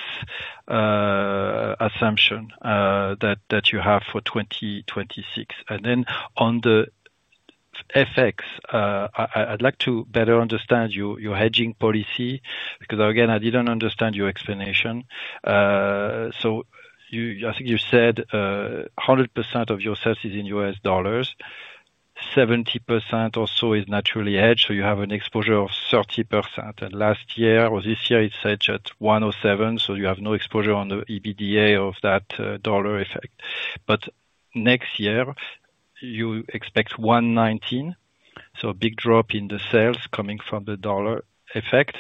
assumption that you have for 2026? On the FX, I'd like to better understand your hedging policy because, again, I didn't understand your explanation. I think you said 100% of your sales is in U.S. dollars. 70% or so is naturally hedged, so you have an exposure of 30%. Last year or this year, it's hedged at 1.07, so you have no exposure on the EBITDA of that dollar effect. Next year, you expect 1.19, so a big drop in the sales coming from the dollar effect.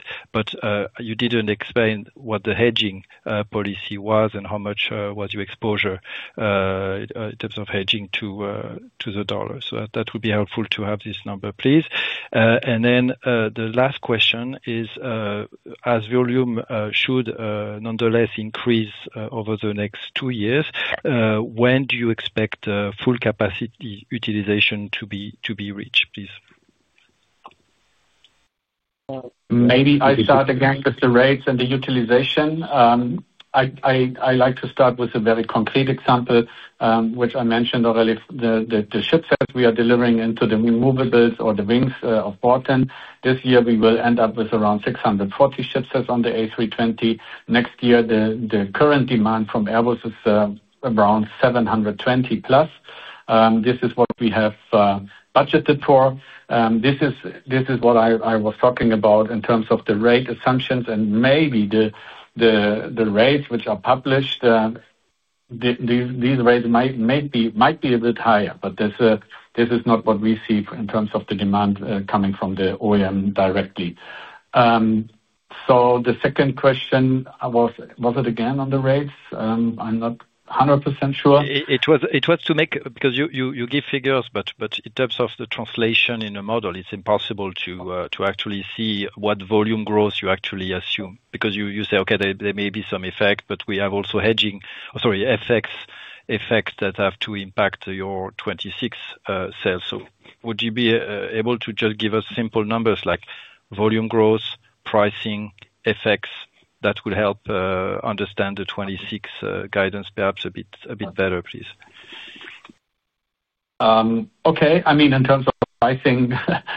You did not explain what the hedging policy was and how much was your exposure in terms of hedging to the dollar. That would be helpful to have this number, please. The last question is, as volume should nonetheless increase over the next two years, when do you expect full capacity utilization to be reached, please? Maybe I start again with the rates and the utilization. I like to start with a very concrete example, which I mentioned already. The ship sets we are delivering into the movables or the wings of Broughton. This year, we will end up with around 640 ship sets on the A320. Next year, the current demand from Airbus is around 720+. This is what we have budgeted for. This is what I was talking about in terms of the rate assumptions and maybe the rates which are published. These rates might be a bit higher, but this is not what we see in terms of the demand coming from the OEM directly. The second question, was it again on the rates? I'm not 100% sure. It was to make because you give figures, but in terms of the translation in the model, it's impossible to actually see what volume growth you actually assume because you say, "Okay, there may be some effect, but we have also hedging, sorry, FX effects that have to impact your 2026 sales." Would you be able to just give us simple numbers like volume growth, pricing, FX that would help understand the 2026 guidance perhaps a bit better, please? Okay. I mean, in terms of pricing,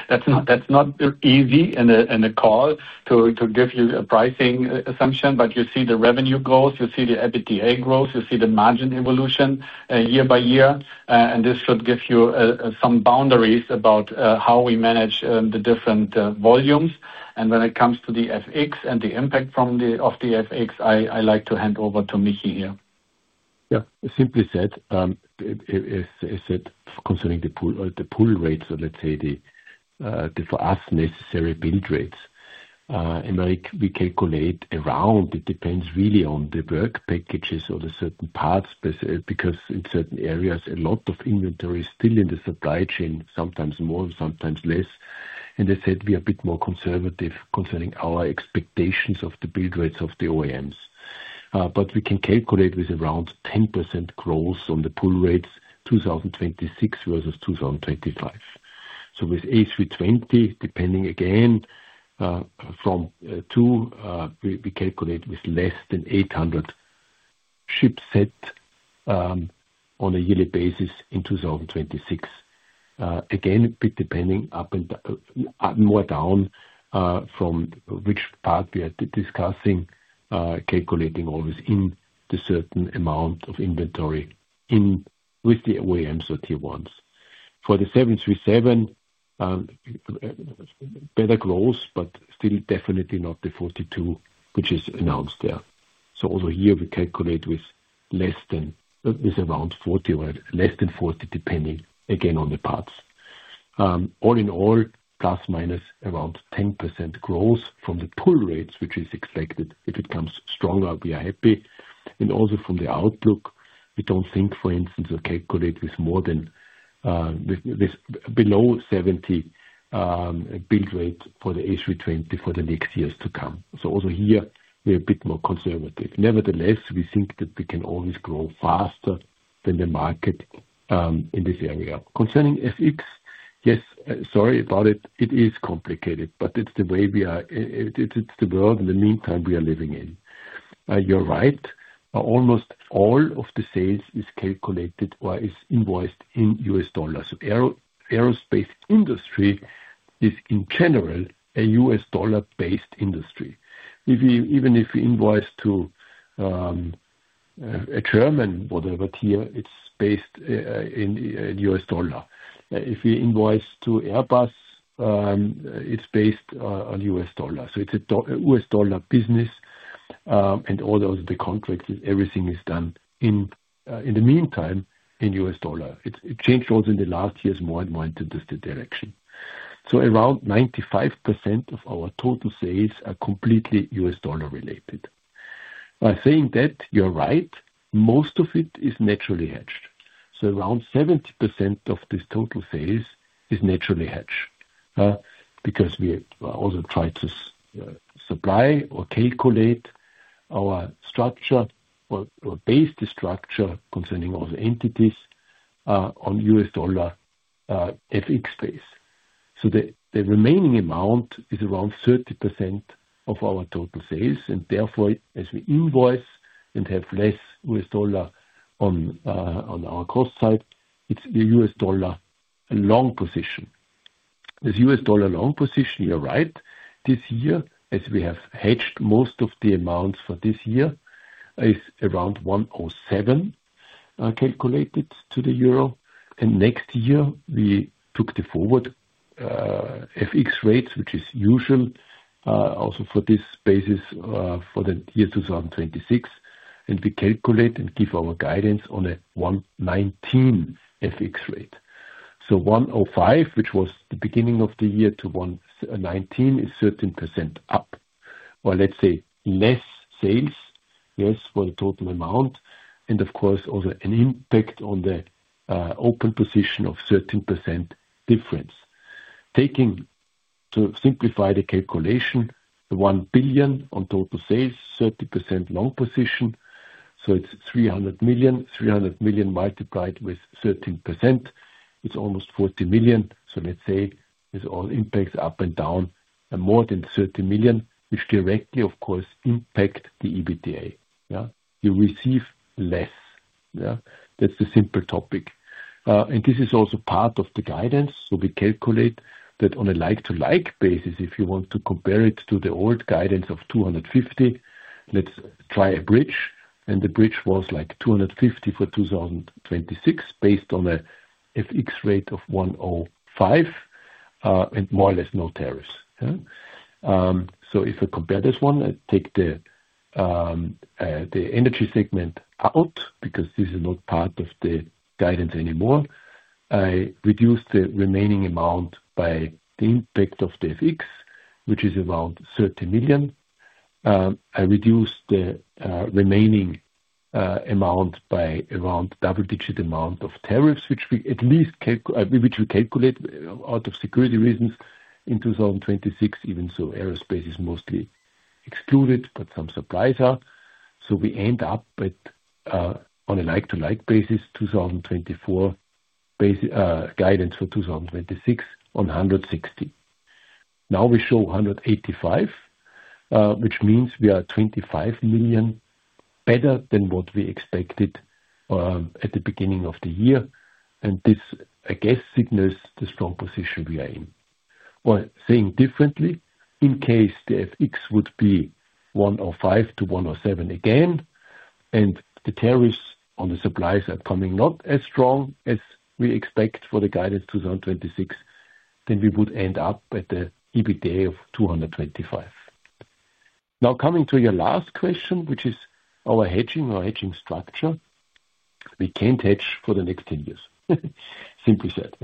that's not easy in a call to give you a pricing assumption, but you see the revenue growth, you see the EBITDA growth, you see the margin evolution year by year. This should give you some boundaries about how we manage the different volumes. When it comes to the FX and the impact of the FX, I like to hand over to Mickey here. Yeah. Simply said, is it concerning the pool rates or, let's say, for us necessary build rates? We calculate around. It depends really on the work packages or the certain parts because in certain areas, a lot of inventory is still in the supply chain, sometimes more, sometimes less. As said, we are a bit more conservative concerning our expectations of the build rates of the OEMs. We can calculate with around 10% growth on the pool rates, 2026 versus 2025. With A320, depending again from two, we calculate with less than 800 ship sets on a yearly basis in 2026. Again, a bit depending up and more down from which part we are discussing, calculating always in the certain amount of inventory with the OEMs that you want. For the 737, better growth, but still definitely not the 42, which is announced there. Over here, we calculate with less than around 40 or less than 40, depending again on the parts. All in all, plus minus around 10% growth from the pool rates, which is expected. If it comes stronger, we are happy. Also from the outlook, we do not think, for instance, we will calculate with more than below 70 build rates for the A320 for the next years to come. Over here, we're a bit more conservative. Nevertheless, we think that we can always grow faster than the market in this area. Concerning FX, yes, sorry about it. It is complicated, but it's the way we are. It's the world in the meantime we are living in. You're right. Almost all of the sales is calculated or is invoiced in U.S. dollars. Aerospace industry is, in general, a U.S. dollar-based industry. Even if you invoice to a German, whatever, here, it's based in U.S. dollar. If you invoice to Airbus, it's based on U.S. dollar. It's a U.S. dollar business. All those, the contracts, everything is done in the meantime in U.S. dollar. It changed also in the last years more and more into this direction. Around 95% of our total sales are completely U.S. dollar-related. By saying that, you're right. Most of it is naturally hedged. Around 70% of this total sales is naturally hedged because we also try to supply or calculate our structure or base the structure concerning all the entities on U.S. dollar FX space. The remaining amount is around 30% of our total sales. Therefore, as we invoice and have less US dollar on our cost side, it's the U.S. dollar long position. This U.S. dollar long position, you're right, this year, as we have hedged most of the amounts for this year, is around $1.07 calculated to the euro. Next year, we took the forward FX rates, which is usual also for this basis for the year 2026. We calculate and give our guidance on a $1.19 FX rate. $1.05, which was the beginning of the year to $1.19, is 13% up. Let's say less sales, less for the total amount. Of course, also an impact on the open position of 13% difference. Taking to simplify the calculation, $1 billion on total sales, 30% long position. So it's $300 million. $300 million multiplied with 13%, it's almost $40 million. Let's say it's all impacts up and down and more than $30 million, which directly, of course, impact the EBITDA. You receive less. That's the simple topic. This is also part of the guidance. We calculate that on a like-to-like basis, if you want to compare it to the old guidance of $250 million, let's try a bridge. The bridge was like $250 million for 2026 based on a FX rate of 1.05 and more or less no tariffs. If I compare this one, I take the energy segment out because this is not part of the guidance anymore. I reduce the remaining amount by the impact of the FX, which is around 30 million. I reduce the remaining amount by around double-digit amount of tariffs, which we at least calculate out of security reasons in 2026. Even so, aerospace is mostly excluded, but some supplies are. We end up on a like-to-like basis, 2024 guidance for 2026 on 160 million. Now we show 185 million, which means we are 25 million better than what we expected at the beginning of the year. This, I guess, signals the strong position we are in. Or saying differently, in case the FX would be 105-107 again, and the tariffs on the supplies are coming not as strong as we expect for the guidance 2026, we would end up at the EBITDA of 225. Now coming to your last question, which is our hedging or hedging structure. We can't hedge for the next 10 years, simply said.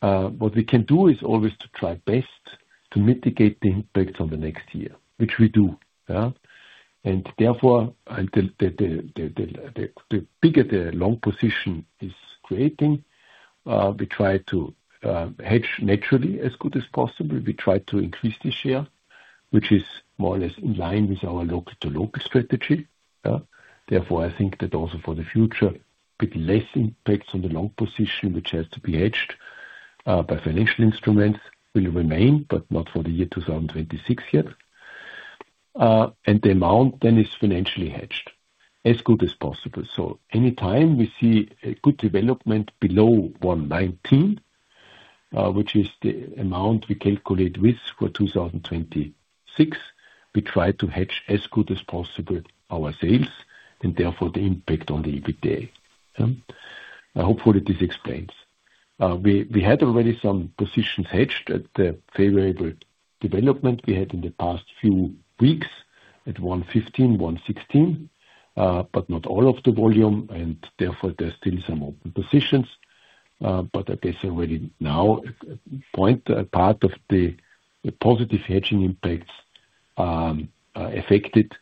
What we can do is always to try best to mitigate the impacts on the next year, which we do. Therefore, the bigger the long position is creating, we try to hedge naturally as good as possible. We try to increase the share, which is more or less in line with our local-to-local strategy. Therefore, I think that also for the future, a bit less impacts on the long position, which has to be hedged by financial instruments, will remain, but not for the year 2026 yet. The amount then is financially hedged as good as possible. Anytime we see a good development below 1.19, which is the amount we calculate with for 2026, we try to hedge as good as possible our sales and therefore the impact on the EBITDA. Hopefully, this explains. We had already some positions hedged at the favorable development we had in the past few weeks at 1.15, 1.16, but not all of the volume. Therefore, there's still some open positions. I guess already now, a part of the positive hedging impacts affected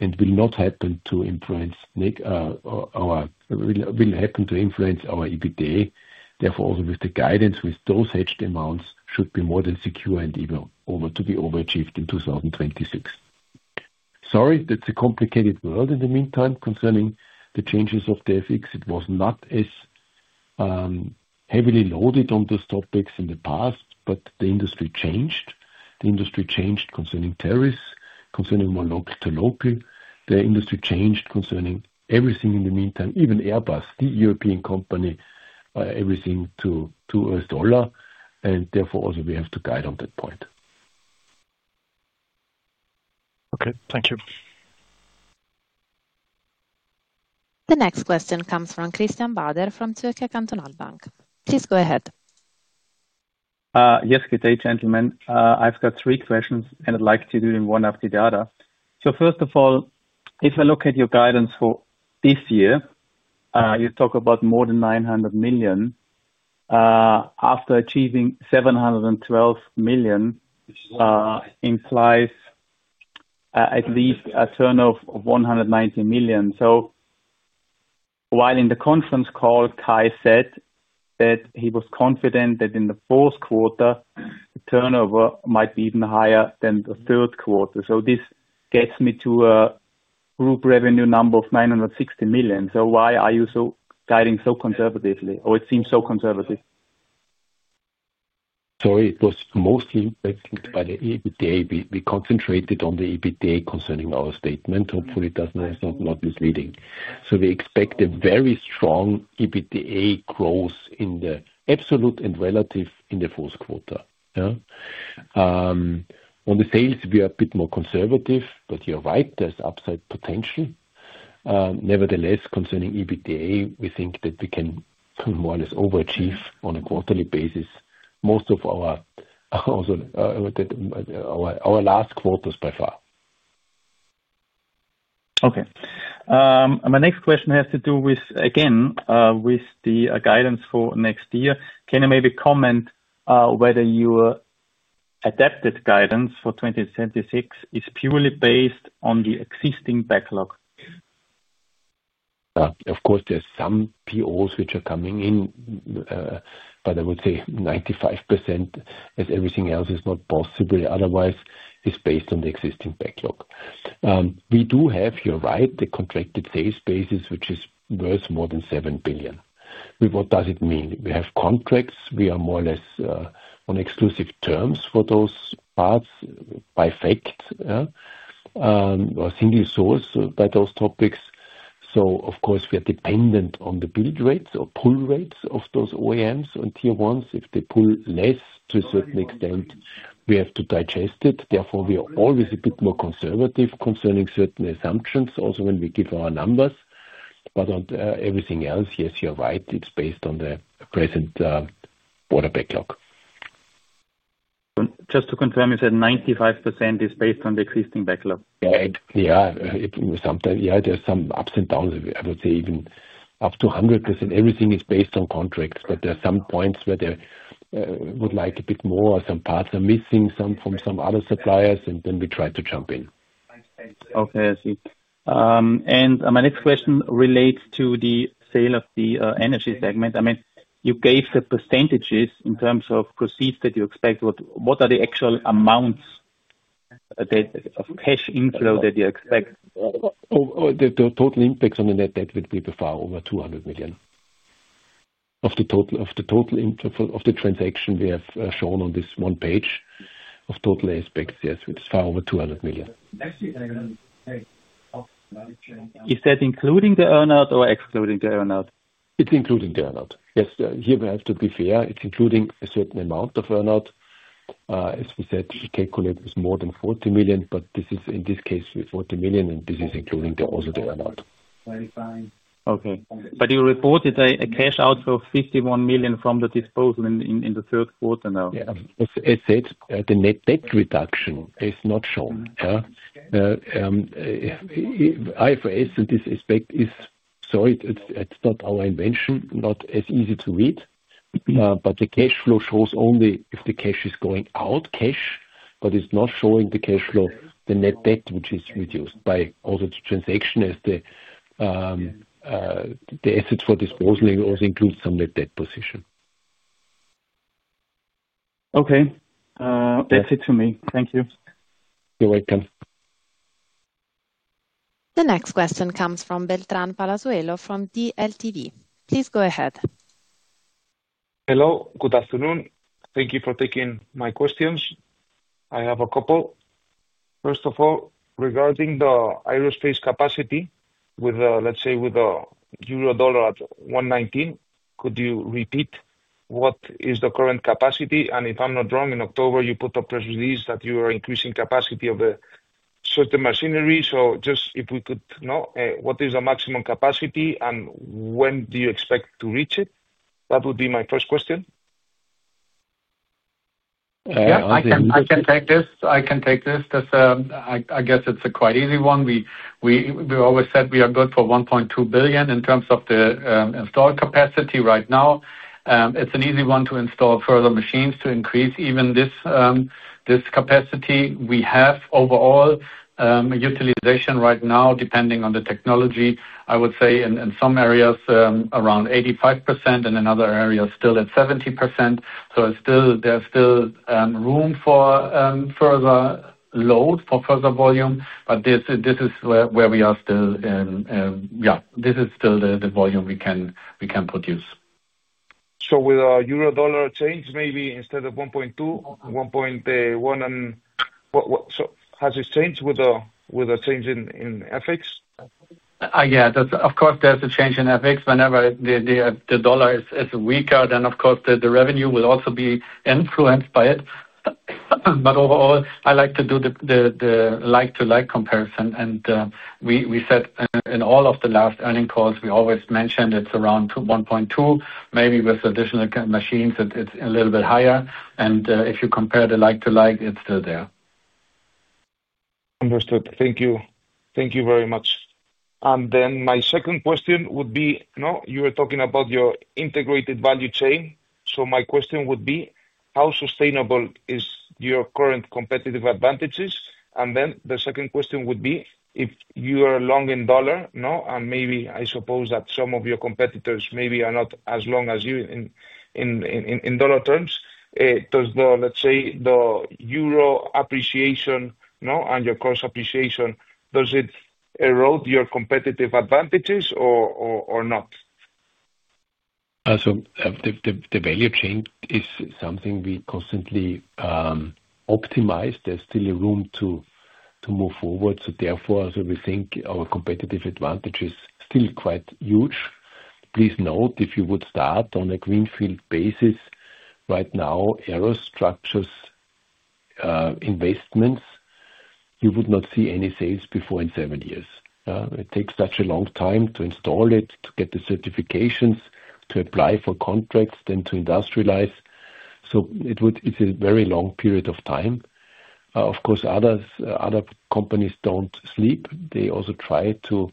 and will happen to influence our EBITDA. Therefore, also with the guidance, with those hedged amounts, should be more than secure and even over to be overachieved in 2026. Sorry, that's a complicated world in the meantime concerning the changes of the FX. It was not as heavily loaded on those topics in the past, but the industry changed. The industry changed concerning tariffs, concerning more local-to-local. The industry changed concerning everything in the meantime, even Airbus, the European company, everything to U.S. dollar. Therefore, also we have to guide on that point. Okay. Thank you. The next question comes from Christian Bader from Zürcher Kantonalbank. Please go ahead. Yes. Good day, gentlemen. I've got three questions, and I'd like to do them one after the other. First of all, if I look at your guidance for this year, you talk about more than 900 million. After achieving 712 million, which implies at least a turnover of 190 million. While in the conference call, Kai said that he was confident that in the fourth quarter, the turnover might be even higher than the third quarter. This gets me to a group revenue number of 960 million. Why are you guiding so conservatively? It seems so conservative. Sorry, it was mostly impacted by the EBITDA. We concentrated on the EBITDA concerning our statement. Hopefully, it does not end up misleading. We expect a very strong EBITDA growth in the absolute and relative in the fourth quarter. On the sales, we are a bit more conservative, but you are right. There is upside potential. Nevertheless, concerning EBITDA, we think that we can more or less overachieve on a quarterly basis most of our last quarters by far. Okay. My next question has to do with, again, with the guidance for next year. Can you maybe comment whether your adapted guidance for 2026 is purely based on the existing backlog? Of course, there's some POs which are coming in, but I would say 95% as everything else is not possible. Otherwise, it's based on the existing backlog. We do have, you're right, the contracted sales basis, which is worth more than 7 billion. What does it mean? We have contracts. We are more or less on exclusive terms for those parts by fact or single source by those topics. Of course, we are dependent on the build rates or pool rates of those OEMs and tier ones. If they pool less to a certain extent, we have to digest it. Therefore, we are always a bit more conservative concerning certain assumptions, also when we give our numbers. On everything else, yes, you're right. It's based on the present order backlog. Just to confirm, you said 95% is based on the existing backlog. Yeah. Yeah. There's some ups and downs. I would say even up to 100%. Everything is based on contracts, but there are some points where they would like a bit more. Some parts are missing from some other suppliers, and then we try to jump in. Okay. I see. My next question relates to the sale of the energy segment. I mean, you gave the percentages in terms of proceeds that you expect. What are the actual amounts of cash inflow that you expect? The total impact on the net debt would be by far over 200 million of the total of the transaction we have shown on this one page of total aspects. Yes, it's far over 200 million. Is that including the earnout or excluding the earnout? It's including the earnout. Yes. Here, we have to be fair. It's including a certain amount of earnout. As we said, we calculate with more than 40 million, but this is in this case with 40 million, and this is including also the earnout. Okay. But you reported a cash out of 51 million from the disposal in the third quarter now. As I said, the net debt reduction is not shown. IFRS in this aspect is, sorry, it's not our invention, not as easy to read, but the cash flow shows only if the cash is going out. Cash, but it's not showing the cash flow, the net debt, which is reduced by also the transaction as the asset for disposal also includes some net debt position. Okay. That's it for me. Thank you. You're welcome. The next question comes from Beltrán Palazuelo from DLTV. Please go ahead. Hello. Good afternoon. Thank you for taking my questions. I have a couple. First of all, regarding the aerospace capacity, let's say with a euro dollar at 1.19, could you repeat what is the current capacity? And if I'm not wrong, in October, you put up press release that you are increasing capacity of certain machinery. Just if we could know what is the maximum capacity and when do you expect to reach it? That would be my first question. Yeah. I can take this. I can take this. I guess it's a quite easy one. We always said we are good for 1.2 billion in terms of the installed capacity right now. It's an easy one to install further machines to increase even this capacity. We have overall utilization right now, depending on the technology, I would say in some areas around 85% and in other areas still at 70%. There is still room for further load, for further volume, but this is where we are still. Yeah. This is still the volume we can produce. With a euro dollar change, maybe instead of 1.2, 1.1, and so has this changed with a change in FX? Yeah. Of course, there is a change in FX. Whenever the dollar is weaker, then of course, the revenue will also be influenced by it. Overall, I like to do the like-to-like comparison. We said in all of the last earning calls, we always mentioned it is around 1.2. Maybe with additional machines, it is a little bit higher. If you compare the like-to-like, it is still there. Understood. Thank you. Thank you very much. Then my second question would be, you were talking about your integrated value chain. My question would be, how sustainable is your current competitive advantages? The second question would be, if you are long in dollar, and maybe I suppose that some of your competitors maybe are not as long as you in dollar terms, does the, let's say, the euro appreciation and your cost appreciation, does it erode your competitive advantages or not? The value chain is something we constantly optimize. There is still room to move forward. Therefore, as we think our competitive advantage is still quite huge. Please note, if you would start on a greenfield basis right now, aerostructures investments, you would not see any sales before in seven years. It takes such a long time to install it, to get the certifications, to apply for contracts, then to industrialize. It is a very long period of time. Of course, other companies do not sleep. They also try to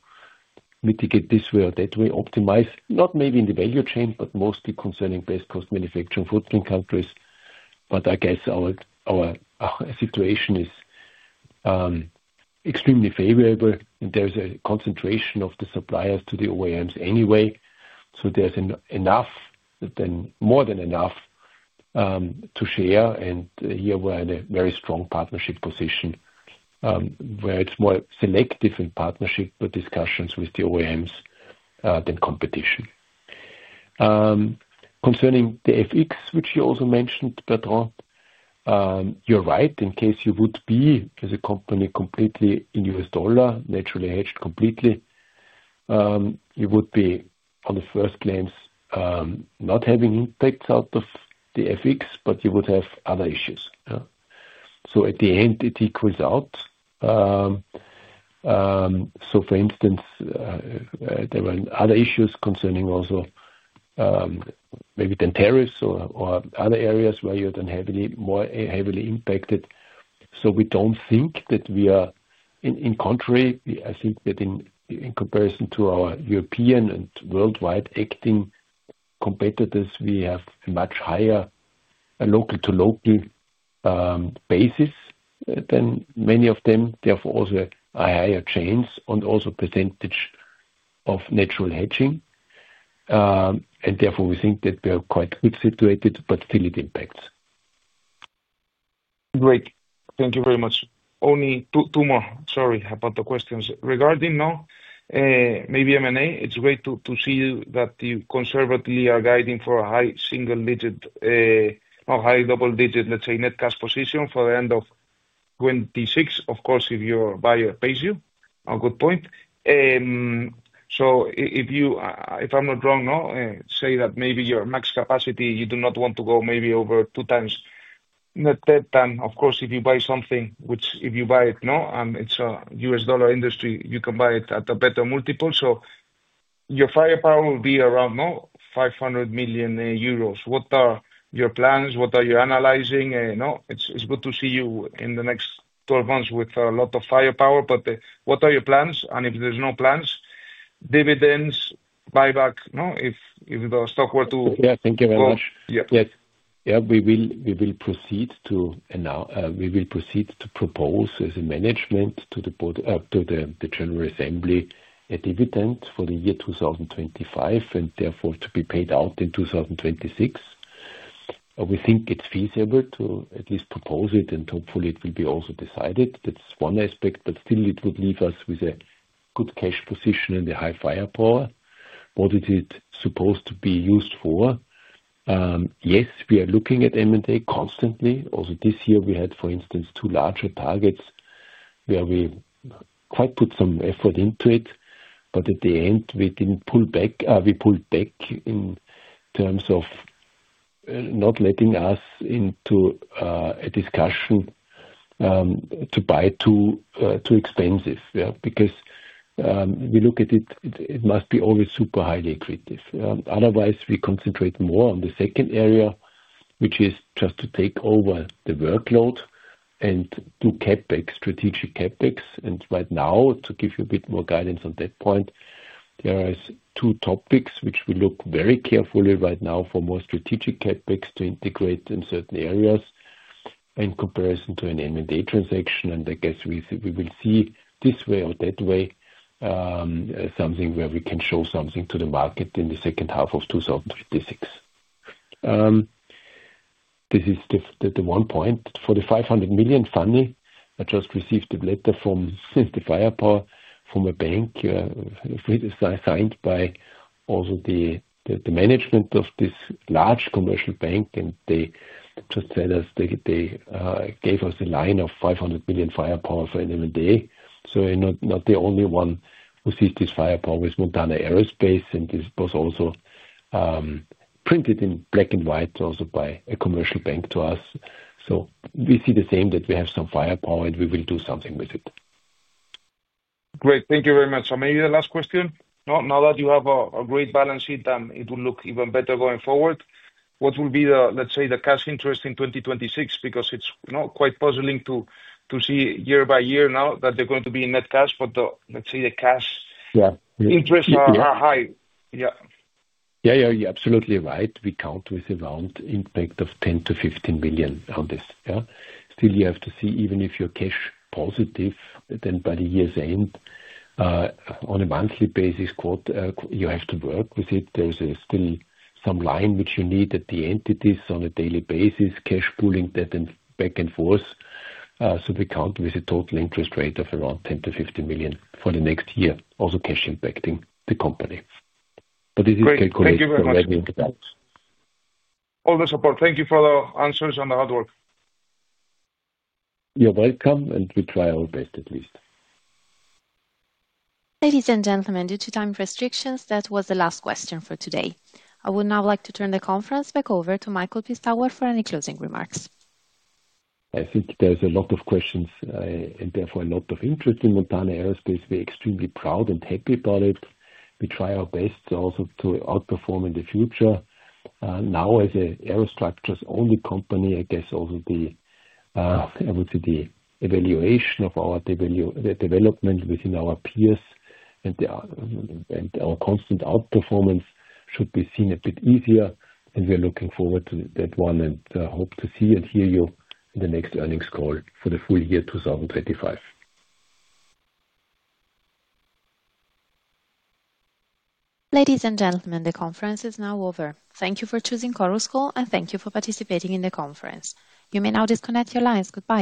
mitigate this way or that way, optimize, not maybe in the value chain, but mostly concerning best cost manufacturing footprint countries. I guess our situation is extremely favorable, and there is a concentration of the suppliers to the OEMs anyway. There is enough, then more than enough to share. Here we are in a very strong partnership position where it is more selective in partnership discussions with the OEMs than competition. Concerning the FX, which you also mentioned, Bertrand, you are right. In case you would be as a company completely in U.S. dollar, naturally hedged completely, you would be, on the first glance, not having impacts out of the FX, but you would have other issues. At the end, it equals out. For instance, there were other issues concerning also maybe then tariffs or other areas where you're then heavily impacted. We don't think that we are in contrary. I think that in comparison to our European and worldwide acting competitors, we have a much higher local-to-local basis than many of them. Therefore, also a higher chance on also percentage of natural hedging. Therefore, we think that we are quite good situated, but still it impacts. Great. Thank you very much. Only two more. Sorry about the questions. Regarding now, maybe M&A, it's great to see that you conservatively are guiding for a high single-digit, not high double-digit, let's say, net cash position for the end of 2026. Of course, if your buyer pays you, a good point. If I'm not wrong, say that maybe your max capacity, you do not want to go maybe over two times net debt. Of course, if you buy something, which if you buy it, and it's a U.S. dollar industry, you can buy it at a better multiple. Your firepower will be around 500 million euros. What are your plans? What are you analyzing? It's good to see you in the next 12 months with a lot of firepower, but what are your plans? If there's no plans, dividends, buyback, if the stock were to. Yeah. Thank you very much. Yeah. We will proceed to propose as a management to the general assembly a dividend for the year 2025 and therefore to be paid out in 2026. We think it's feasible to at least propose it, and hopefully, it will be also decided. That's one aspect, but still it would leave us with a good cash position and a high firepower. What is it supposed to be used for? Yes, we are looking at M&A constantly. Also this year, we had, for instance, two larger targets where we quite put some effort into it, but at the end, we didn't pull back. We pulled back in terms of not letting us into a discussion to buy too expensive. Because we look at it, it must be always super highly accretive. Otherwise, we concentrate more on the second area, which is just to take over the workload and do strategic CapEx. Right now, to give you a bit more guidance on that point, there are two topics which we look very carefully at right now for more strategic CapEx to integrate in certain areas in comparison to an M&A transaction. I guess we will see this way or that way something where we can show something to the market in the second half of 2026. This is the one point. For the 500 million funding, I just received a letter for the firepower from a bank signed by also the management of this large commercial bank. They just said they gave us a line of 500 million firepower for M&A. Not the only one who sees this firepower is Montana Aerospace. This was also printed in black and white also by a commercial bank to us. We see the same that we have some firepower and we will do something with it. Great. Thank you very much. Maybe the last question. Now that you have a great balance sheet, it will look even better going forward. What will be, let's say, the cash interest in 2026? Because it is quite puzzling to see year by year now that they are going to be in net cash, but let's say the cash interests are high. Yeah. Yeah. You are absolutely right. We count with around impact of 10 million-15 million on this. Still, you have to see even if you are cash positive, then by the year's end, on a monthly basis, you have to work with it. There is still some line which you need at the entities on a daily basis, cash pooling back and forth. We count with a total interest rate of around 10 million-15 million for the next year, also cash impacting the company. This is calculated from revenue impacts. All the support. Thank you for the answers and the hard work. You're welcome. We try our best at least. Ladies and gentlemen, due to time restrictions, that was the last question for today. I would now like to turn the conference back over to Michael Pistauer for any closing remarks. I think there are a lot of questions and therefore a lot of interest in Montana Aerospace. We're extremely proud and happy about it. We try our best also to outperform in the future. Now, as an aerostructures-only company, I guess also the, I would say, the evaluation of our development within our peers and our constant outperformance should be seen a bit easier. We're looking forward to that one and hope to see and hear you in the next earnings call for the full year 2025. Ladies and gentlemen, the conference is now over. Thank you for choosing Corosco and thank you for participating in the conference. You may now disconnect your lines. Goodbye.